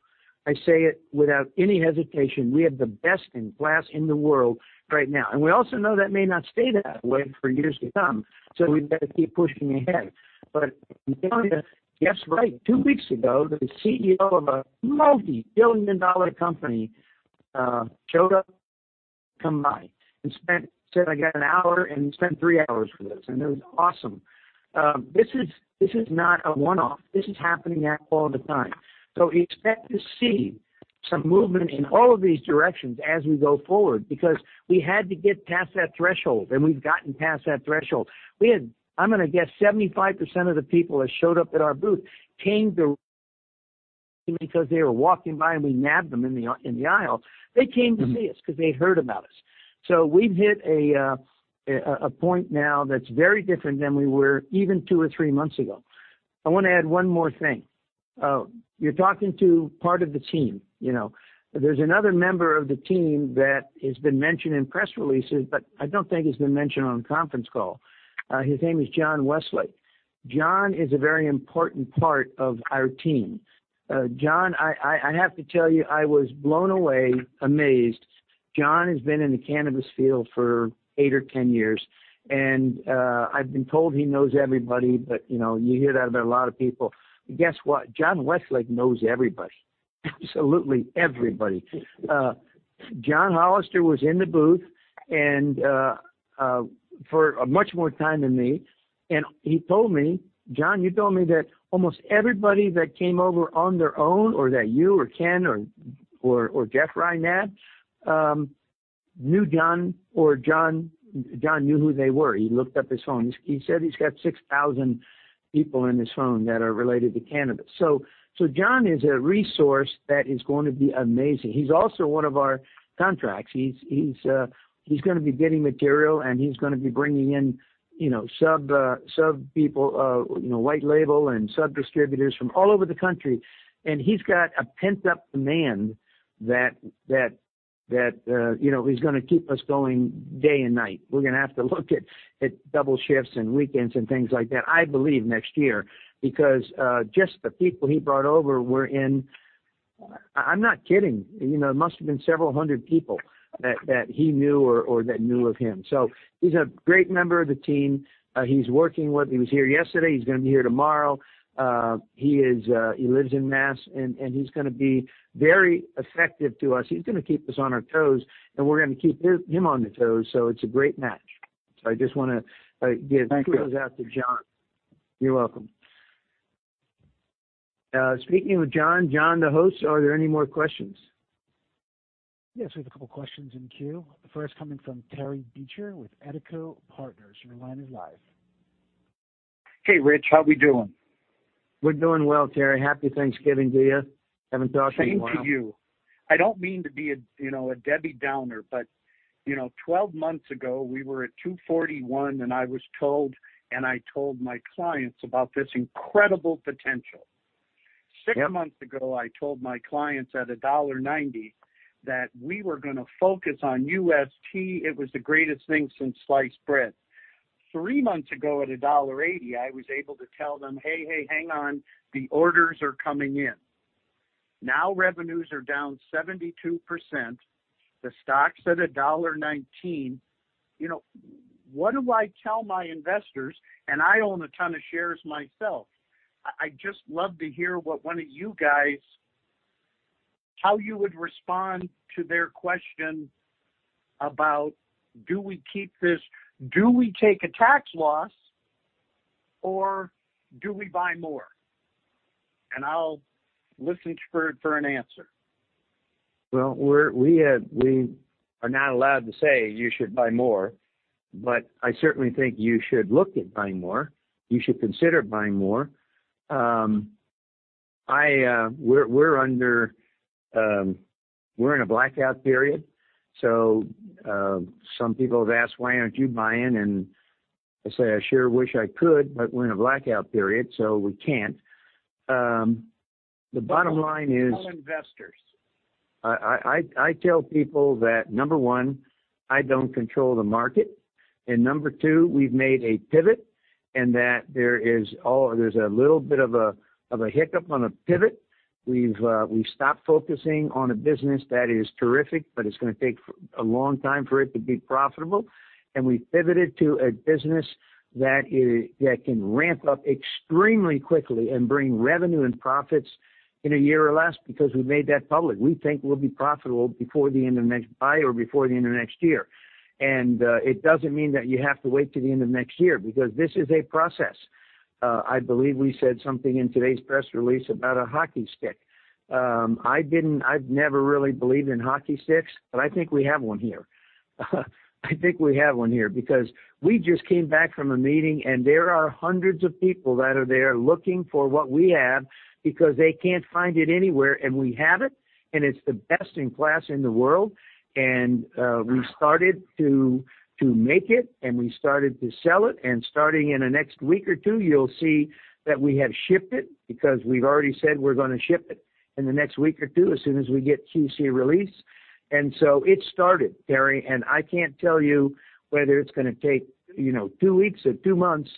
I say it without any hesitation. We have the best in class in the world right now. We also know that may not stay that way for years to come, so we've got to keep pushing ahead. You got it, Jeff's right. Two weeks ago, the CEO of a multi-billion dollar company showed up to combine and spent three hours with us, and it was awesome. This is not a one-off. This is happening now all the time. Expect to see some movement in all of these directions as we go forward, because we had to get past that threshold, and we've gotten past that threshold. We had, I'm gonna guess 75% of the people that showed up at our booth came to. They were walking by and we nabbed them in the, in the aisle. They came to see us because they heard about us. We've hit a point now that's very different than we were even 2 or 3 months ago. I want to add 1 more thing. You're talking to part of the team, you know. There's another member of the team that has been mentioned in press releases, but I don't think he's been mentioned on conference call. His name is John Westlake. John is a very important part of our team. John, I have to tell you, I was blown away, amazed. John has been in the cannabis field for 8 or 10 years, and I've been told he knows everybody, but, you know, you hear that about a lot of people. Guess what? John Westlake knows everybody. Absolutely everybody. John Hollister was in the booth and for much more time than me, and he told me, "John, you told me that almost everybody that came over on their own, or that you or Ken or Jeffrey nabbed, knew John or John knew who they were." He looked up his phone. He said he's got 6,000 people in his phone that are related to cannabis. John is a resource that is going to be amazing. He's also one of our contracts. He's gonna be getting material, and he's gonna be bringing in, you know, sub people, you know, white label and sub distributors from all over the country. He's got a pent-up demand that, you know, is gonna keep us going day and night. We're gonna have to look at double shifts and weekends and things like that, I believe next year, because just the people he brought over were in. I'm not kidding, you know, it must have been several hundred people that he knew or that knew of him. He's a great member of the team. He's working. He was here yesterday. He's gonna be here tomorrow. He is, he lives in Mass., and he's gonna be very effective to us. He's gonna keep us on our toes, and we're gonna keep him on his toes. It's a great match. I just wanna give kudos out to John. Thank you. You're welcome. Speaking of John, the host, are there any more questions? Yes, we have a couple of questions in queue. The first coming from Terry Beecher with Etico Partners. Your line is live. Hey, Rich, how we doing? We're doing well, Terry. Happy Thanksgiving to you. Haven't talked to you in a while. Same to you. I don't mean to be a, you know, a Debbie Downer, you know, 12 months ago, we were at $2.41. I was told, I told my clients about this incredible potential. Yep. Six months ago, I told my clients at $1.90 that we were gonna focus on UST. It was the greatest thing since sliced bread. Three months ago, at $1.80, I was able to tell them, "Hey, hey, hang on. The orders are coming in." Now, revenues are down 72%. The stock's at $1.19. You know, what do I tell my investors? I own a ton of shares myself. I'd just love to hear what one of you guys, how you would respond to their question about, do we keep this, do we take a tax loss or do we buy more? I'll listen for an answer. Well, we are not allowed to say you should buy more, but I certainly think you should look at buying more. You should consider buying more. We're in a blackout period, so, some people have asked, "Why aren't you buying?" I say, "I sure wish I could, but we're in a blackout period, so we can't." The bottom line is. All investors. I tell people that number 1, I don't control the market, and number 2, we've made a pivot and that there's a little bit of a hiccup on a pivot. We've stopped focusing on a business that is terrific, but it's gonna take a long time for it to be profitable. We pivoted to a business that can ramp up extremely quickly and bring revenue and profits in 1 year or less because we made that public. We think we'll be profitable by or before the end of next year. It doesn't mean that you have to wait till the end of next year because this is a process. I believe we said something in today's press release about a hockey stick. I didn't, I've never really believed in hockey sticks, but I think we have 1 here. I think we have 1 here because we just came back from a meeting, and there are hundreds of people that are there looking for what we have because they can't find it anywhere, and we have it, and it's the best in class in the world. We started to make it, and we started to sell it. Starting in the next week or 2, you'll see that we have shipped it because we've already said we're gonna ship it in the next week or 2 as soon as we get QC release. It started, Terry, and I can't tell you whether it's gonna take, you know, 2 weeks or 2 months,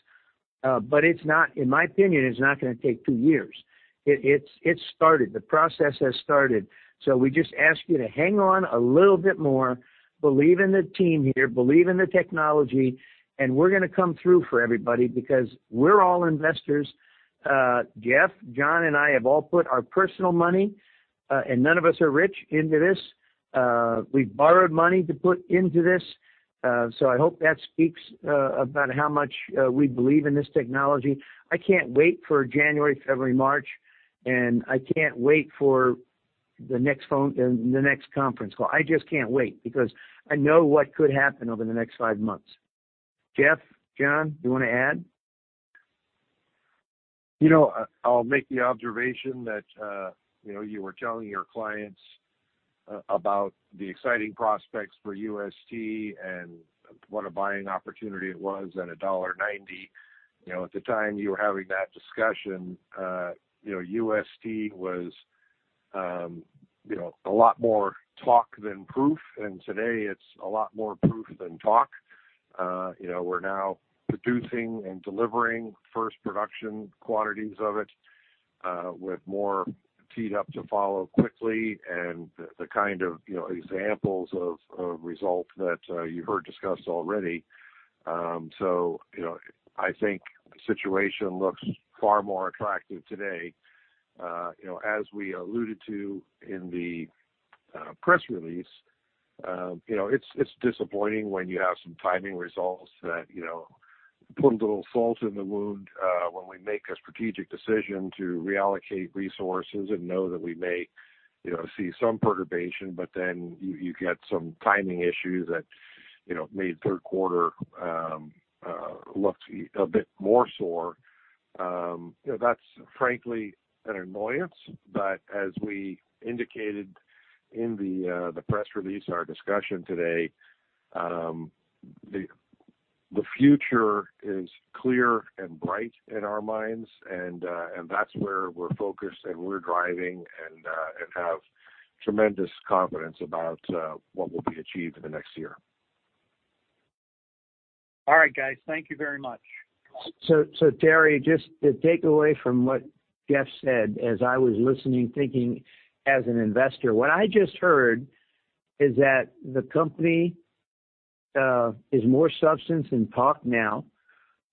but it's not, in my opinion, it's not gonna take 2 years. It's started. The process has started. We just ask you to hang on a little bit more, believe in the team here, believe in the technology, and we're gonna come through for everybody because we're all investors. Jeff, John, and I have all put our personal money, and none of us are rich into this. We've borrowed money to put into this. I hope that speaks about how much we believe in this technology. I can't wait for January, February, March, and I can't wait for the next conference call. I just can't wait because I know what could happen over the next five months. Jeff, John, do you wanna add? You know, I'll make the observation that, you know, you were telling your clients about the exciting prospects for UST and what a buying opportunity it was at $1.90. You know, at the time you were having that discussion, you know, UST was, you know, a lot more talk than proof, and today it's a lot more proof than talk. You know, we're now producing and delivering first production quantities of it, with more teed up to follow quickly and the kind of, you know, examples of results that you heard discussed already. You know, I think the situation looks far more attractive today. You know, as we alluded to in the press release, you know, it's disappointing when you have some timing results that, you know, put a little salt in the wound, when we make a strategic decision to reallocate resources and know that we may, you know, see some perturbation. You get some timing issues that, you know, made third quarter look a bit more sore. You know, that's frankly an annoyance. As we indicated in the press release and our discussion today, the future is clear and bright in our minds, and that's where we're focused, and we're driving and have tremendous confidence about what will be achieved in the next year. All right, guys. Thank you very much. Terry, just the takeaway from what Jeff said as I was listening, thinking as an investor, what I just heard is that the company is more substance than talk now.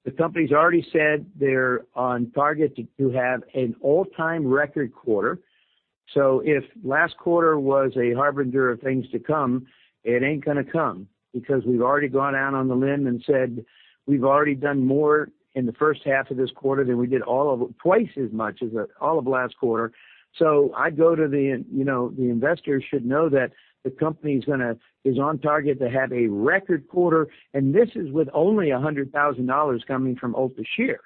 The company's already said they're on target to have an all-time record quarter. If last quarter was a harbinger of things to come, it ain't gonna come because we've already gone out on the limb and said we've already done more in the first half of this quarter than we did twice as much as all of last quarter. I'd go to the, you know, the investors should know that the company's on target to have a record quarter, and this is with only $100,000 coming from Opus Here.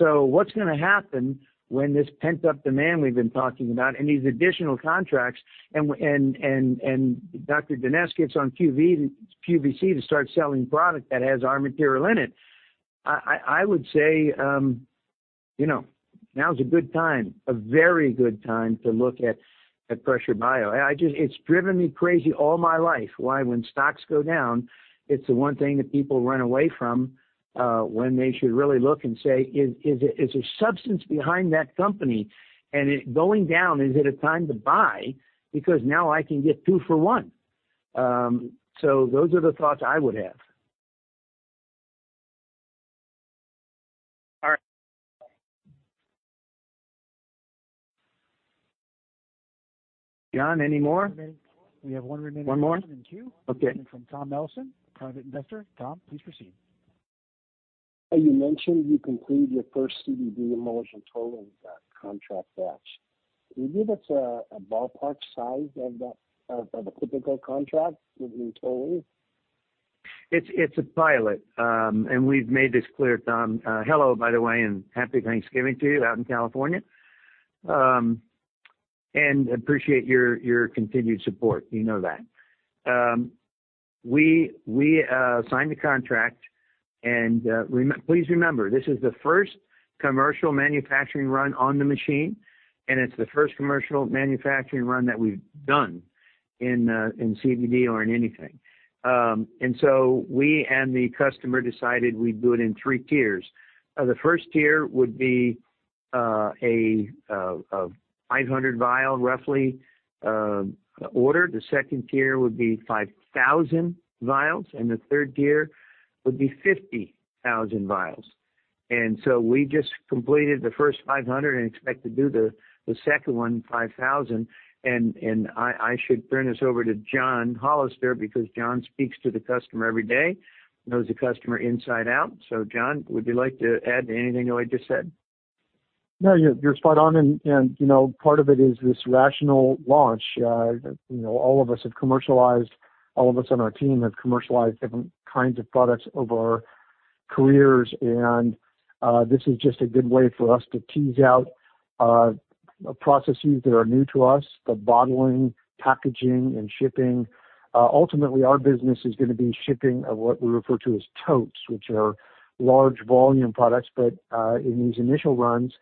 What's gonna happen when this pent-up demand we've been talking about and these additional contracts and Dr. Denese gets on QVC to start selling product that has our material in it? I would say, you know, now's a good time, a very good time to look at Pressure Bio. It's driven me crazy all my life why, when stocks go down, it's the one thing that people run away from, when they should really look and say, "Is there substance behind that company? And it going down, is it a time to buy because now I can get 2 for 1?" Those are the thoughts I would have. All right. John, any more? We have one remaining- One more? In queue. Okay. From Tom Ellison, private investor. Tom, please proceed. You mentioned you completed your first CBD emulsion tolling, contract batch. Can you give us a ballpark size of that, of a typical contract with new tolling? It's a pilot. We've made this clear, Tom. Hello, by the way, and happy Thanksgiving to you out in California. Appreciate your continued support. You know that. We signed the contract. Please remember, this is the first commercial manufacturing run on the machine, and it's the first commercial manufacturing run that we've done in CBD or in anything. We and the customer decided we'd do it in three tiers. The first tier would be a 500 vial roughly order. The second tier would be 5,000 vials, and the third tier would be 50,000 vials. We just completed the first 500 and expect to do the second one, 5,000. I should turn this over to John Hollister because John speaks to the customer every day, knows the customer inside out. John, would you like to add anything to what I just said? No, you're spot on. You know, part of it is this rational launch. You know, all of us on our team have commercialized different kinds of products over our careers. This is just a good way for us to tease out processes that are new to us, the bottling, packaging, and shipping. Ultimately, our business is gonna be shipping of what we refer to as totes, which are large volume products. In these initial runs,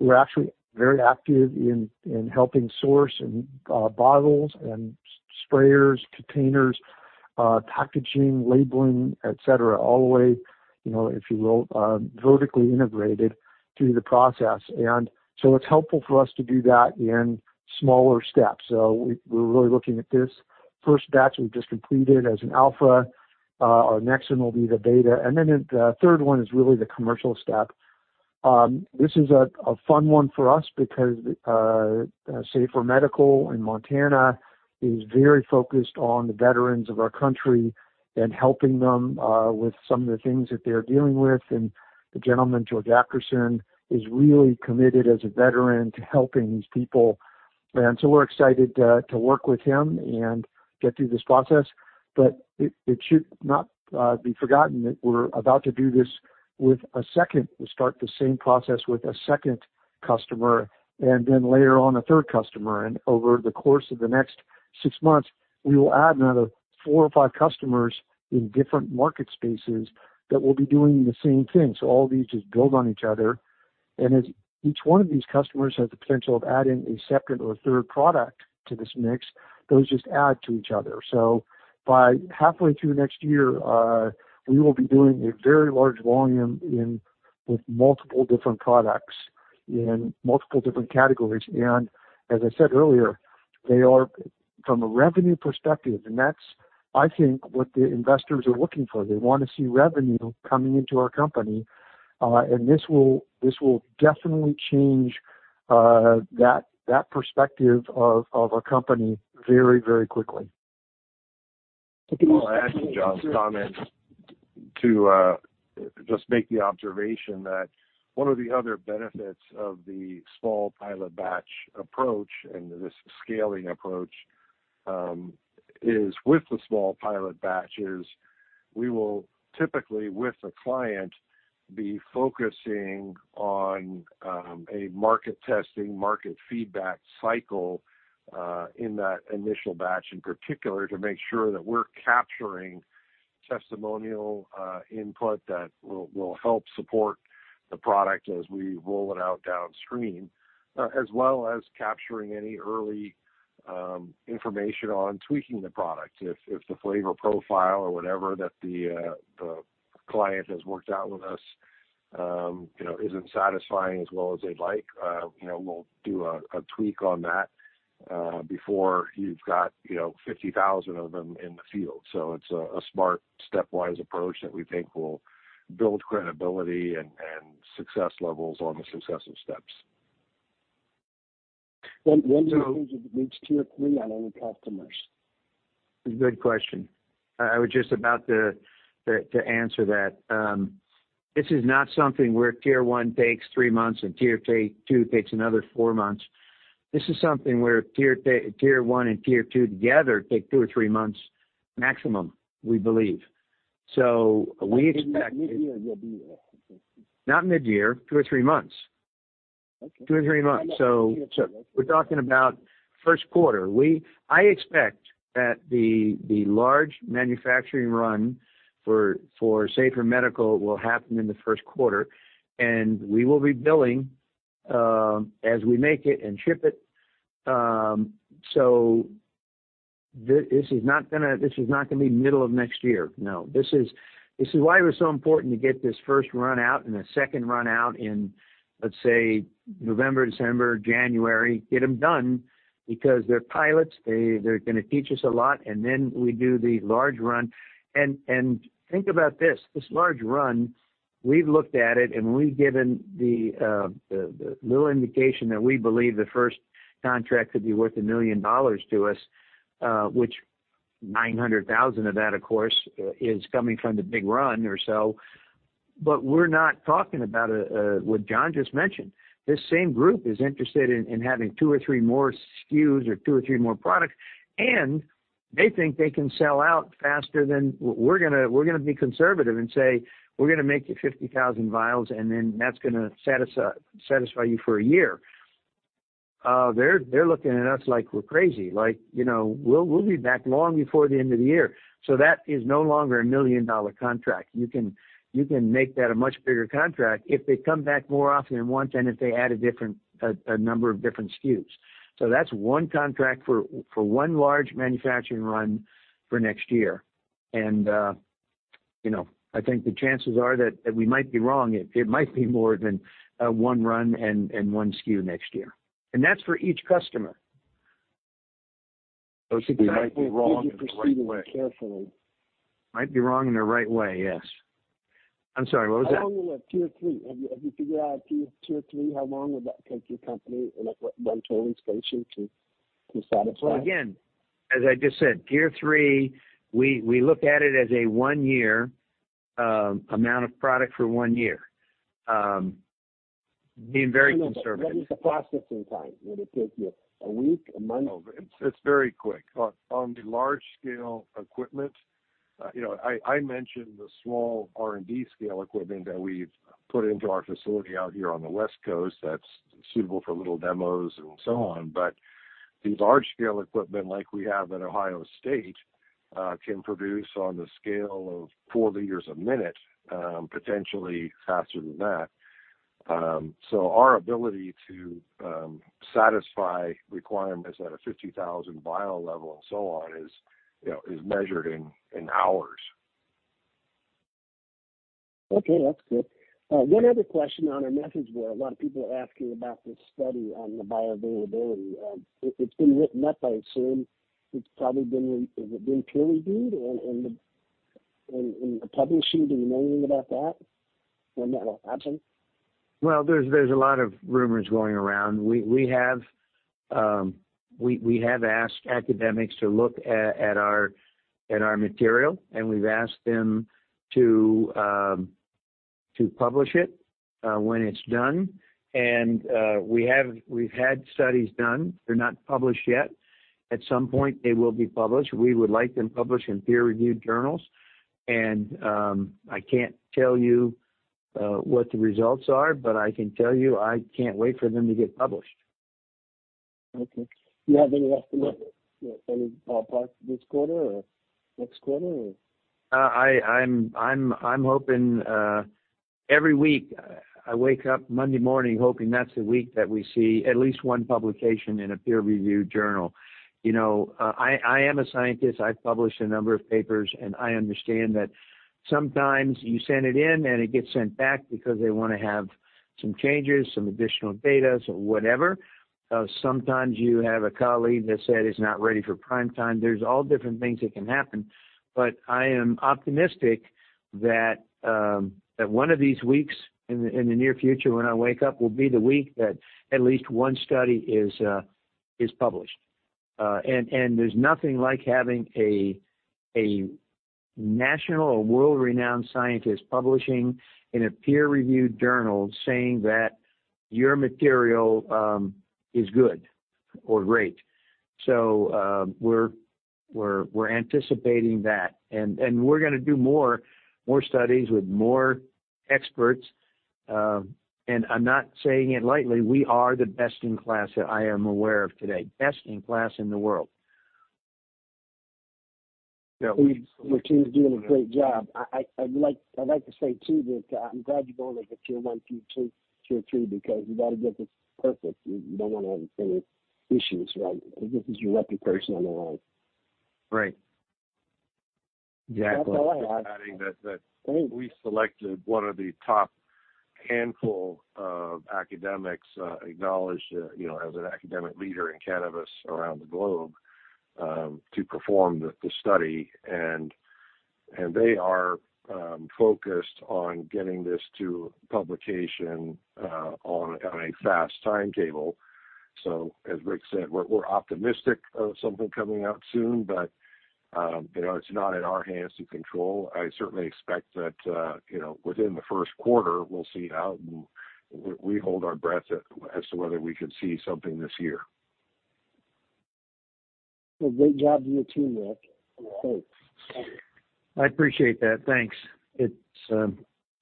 we're actually very active in helping source and bottles and sprayers, containers, packaging, labeling, et cetera, all the way, you know, if you will, vertically integrated through the process. It's helpful for us to do that in smaller steps. We're really looking at this first batch we've just completed as an alpha. Our next one will be the beta, then the third one is really the commercial step. This is a fun one for us because Safyr Medical in Montana is very focused on the veterans of our country and helping them with some of the things that they're dealing with. The gentleman, George Acherson, is really committed as a veteran to helping these people. We're excited to work with him and get through this process. It should not be forgotten that we're about to do this with a second customer, then later on a third customer. Over the course of the next 6 months, we will add another 4 or 5 customers in different market spaces that will be doing the same thing. All these just build on each other. As each one of these customers has the potential of adding a separate or third product to this mix, those just add to each other. By halfway through next year, we will be doing a very large volume in, with multiple different products in multiple different categories. As I said earlier, they are from a revenue perspective, and that's, I think, what the investors are looking for. They wanna see revenue coming into our company, and this will definitely change that perspective of our company very, very quickly. I'll add to John's comments to just make the observation that one of the other benefits of the small pilot batch approach and this scaling approach, is with the small pilot batches, we will typically with the client, be focusing on a market testing, market feedback cycle, in that initial batch, in particular, to make sure that we're capturing testimonial input that will help support the product as we roll it out downstream. As well as capturing any early information on tweaking the product. If the flavor profile or whatever that the client has worked out with us, you know, isn't satisfying as well as they'd like, you know, we'll do a tweak on that before you've got, you know, 50,000 of them in the field. It's a smart stepwise approach that we think will build credibility and success levels on the successive steps. When do you think you'll reach tier three on all your customers? Good question. I was just about to answer that. This is not something where tier one takes three months and tier two takes another four months. This is something where tier one and tier two together take two or three months maximum, we believe. Midyear you'll be there. Not midyear, two or three months. Okay. Two or three months. We're talking about first quarter. I expect that the large manufacturing run for Safer Medical will happen in the first quarter, and we will be billing as we make it and ship it. This is not gonna be middle of next year. No. This is why it was so important to get this first run out and a second run out in, let's say, November, December, January, get them done because they're pilots. They're gonna teach us a lot. We do the large run. Think about this large run, we've looked at it and we've given the little indication that we believe the first contract could be worth $1 million to us, which $900,000 of that, of course, is coming from the big run or so. We're not talking about what John just mentioned. This same group is interested in having 2 or 3 more SKUs or 2 or 3 more products, and they think they can sell out faster than we're gonna be conservative and say, "We're gonna make you 50,000 vials, and then that's gonna satisfy you for a year." They're looking at us like we're crazy, like, you know, "We'll, we'll be back long before the end of the year." That is no longer a $1 million contract. You can make that a much bigger contract if they come back more often than once and if they add a different number of different SKUs. That's one contract for one large manufacturing run for next year. you know, I think the chances are that we might be wrong. It might be more than one run and one SKU next year. That's for each customer. We might be wrong in the right way. If you proceed carefully. Might be wrong in the right way, yes. I'm sorry. What was that? How long away? Tier three. Have you figured out tier three, how long would that take your company and at what run total station to satisfy? As I just said, tier 3, we look at it as a 1 year amount of product for 1 year. Being very conservative. What is the processing time? Would it take you a week? A month? No. It's very quick. On the large scale equipment, you know, I mentioned the small R&D scale equipment that we've put into our facility out here on the West Coast that's suitable for little demos and so on. The large scale equipment like we have at Ohio State can produce on the scale of four liters a minute, potentially faster than that. Our ability to satisfy requirements at a 50,000 vial level and so on is, you know, is measured in hours. Okay, that's good. One other question on our message board, a lot of people are asking about this study on the bioavailability. If it's been written up, I assume it's probably been has it been peer reviewed and publishing, do you know anything about that? When that'll happen? Well, there's a lot of rumors going around. We have asked academics to look at our material, and we've asked them to publish it when it's done. We've had studies done. They're not published yet. At some point, they will be published. We would like them published in peer-reviewed journals. I can't tell you what the results are, but I can tell you I can't wait for them to get published. Okay. Do you have any estimate for the ballparks this quarter or next quarter or? I'm hoping every week I wake up Monday morning hoping that's the week that we see at least one publication in a peer-reviewed journal. You know, I am a scientist. I've published a number of papers. I understand that sometimes you send it in and it gets sent back because they wanna have some changes, some additional data, so whatever. Sometimes you have a colleague that said it's not ready for prime time. There's all different things that can happen. I am optimistic that one of these weeks in the near future when I wake up will be the week that at least one study is published. And there's nothing like having a national or world-renowned scientist publishing in a peer-reviewed journal saying that your material is good or great. We're anticipating that. We're gonna do more studies with more experts. I'm not saying it lightly, we are the best in class that I am aware of today. Best in class in the world. Yeah. Your team is doing a great job. I'd like to say too that I'm glad you're going with the tier 1, tier 2, tier 3, because you gotta get this perfect. You don't wanna have any issues, right? This is your reputation on the line. Right. Yeah. That's all I have. Just adding that we selected one of the top handful of academics, acknowledged, you know, as an academic leader in cannabis around the globe, to perform the study. They are focused on getting this to publication on a fast timetable. As Rich said, we're optimistic of something coming out soon, but you know, it's not in our hands to control. I certainly expect that you know, within the first quarter we'll see it out and we hold our breath as to whether we could see something this year. Well, great job to your team, Rick. Thanks. I appreciate that. Thanks.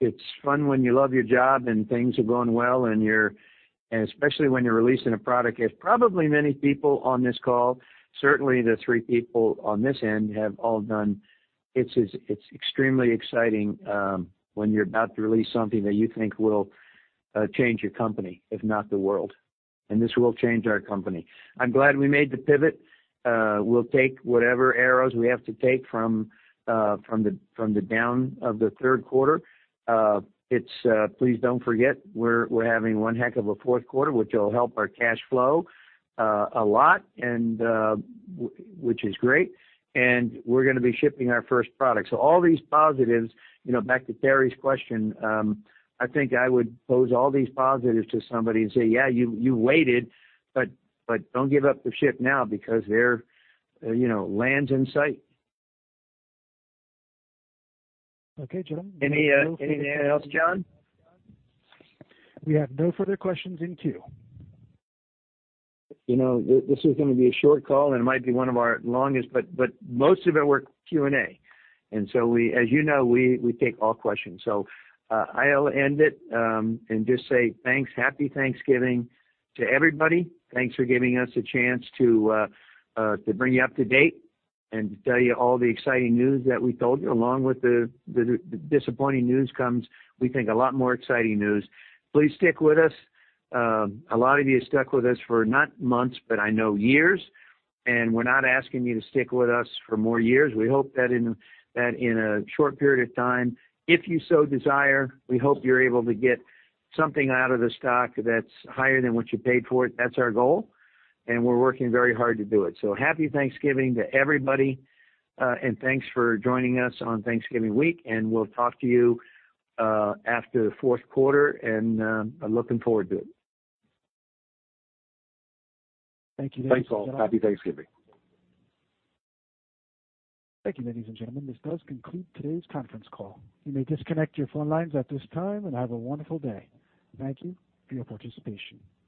It's fun when you love your job and things are going well, and especially when you're releasing a product as probably many people on this call, certainly the three people on this end have all done. It's extremely exciting when you're about to release something that you think will change your company, if not the world. This will change our company. I'm glad we made the pivot. We'll take whatever arrows we have to take from the down of the third quarter. It's, please don't forget we're having one heck of a fourth quarter, which will help our cash flow a lot and which is great. We're gonna be shipping our first product. All these positives, you know, back to Terry's question, I think I would pose all these positives to somebody and say, "Yeah, you waited, but don't give up the ship now because they're, you know, land's in sight. Okay, John. Any, anything else, John? We have no further questions in queue. You know, this is gonna be a short call, and it might be one of our longest, but most of it we're Q&A. We, as you know, we take all questions. I'll end it and just say thanks. Happy Thanksgiving to everybody. Thanks for giving us a chance to bring you up to date and to tell you all the exciting news that we told you. Along with the disappointing news comes, we think, a lot more exciting news. Please stick with us. A lot of you stuck with us for not months, but I know years. We're not asking you to stick with us for more years. We hope that in a short period of time, if you so desire, we hope you're able to get something out of the stock that's higher than what you paid for it. That's our goal, and we're working very hard to do it. Happy Thanksgiving to everybody, thanks for joining us on Thanksgiving week, we'll talk to you after the fourth quarter, I'm looking forward to it. Thank you. Thanks all. Happy Thanksgiving. Thank you, ladies and gentlemen. This does conclude today's conference call. You may disconnect your phone lines at this time and have a wonderful day. Thank you for your participation.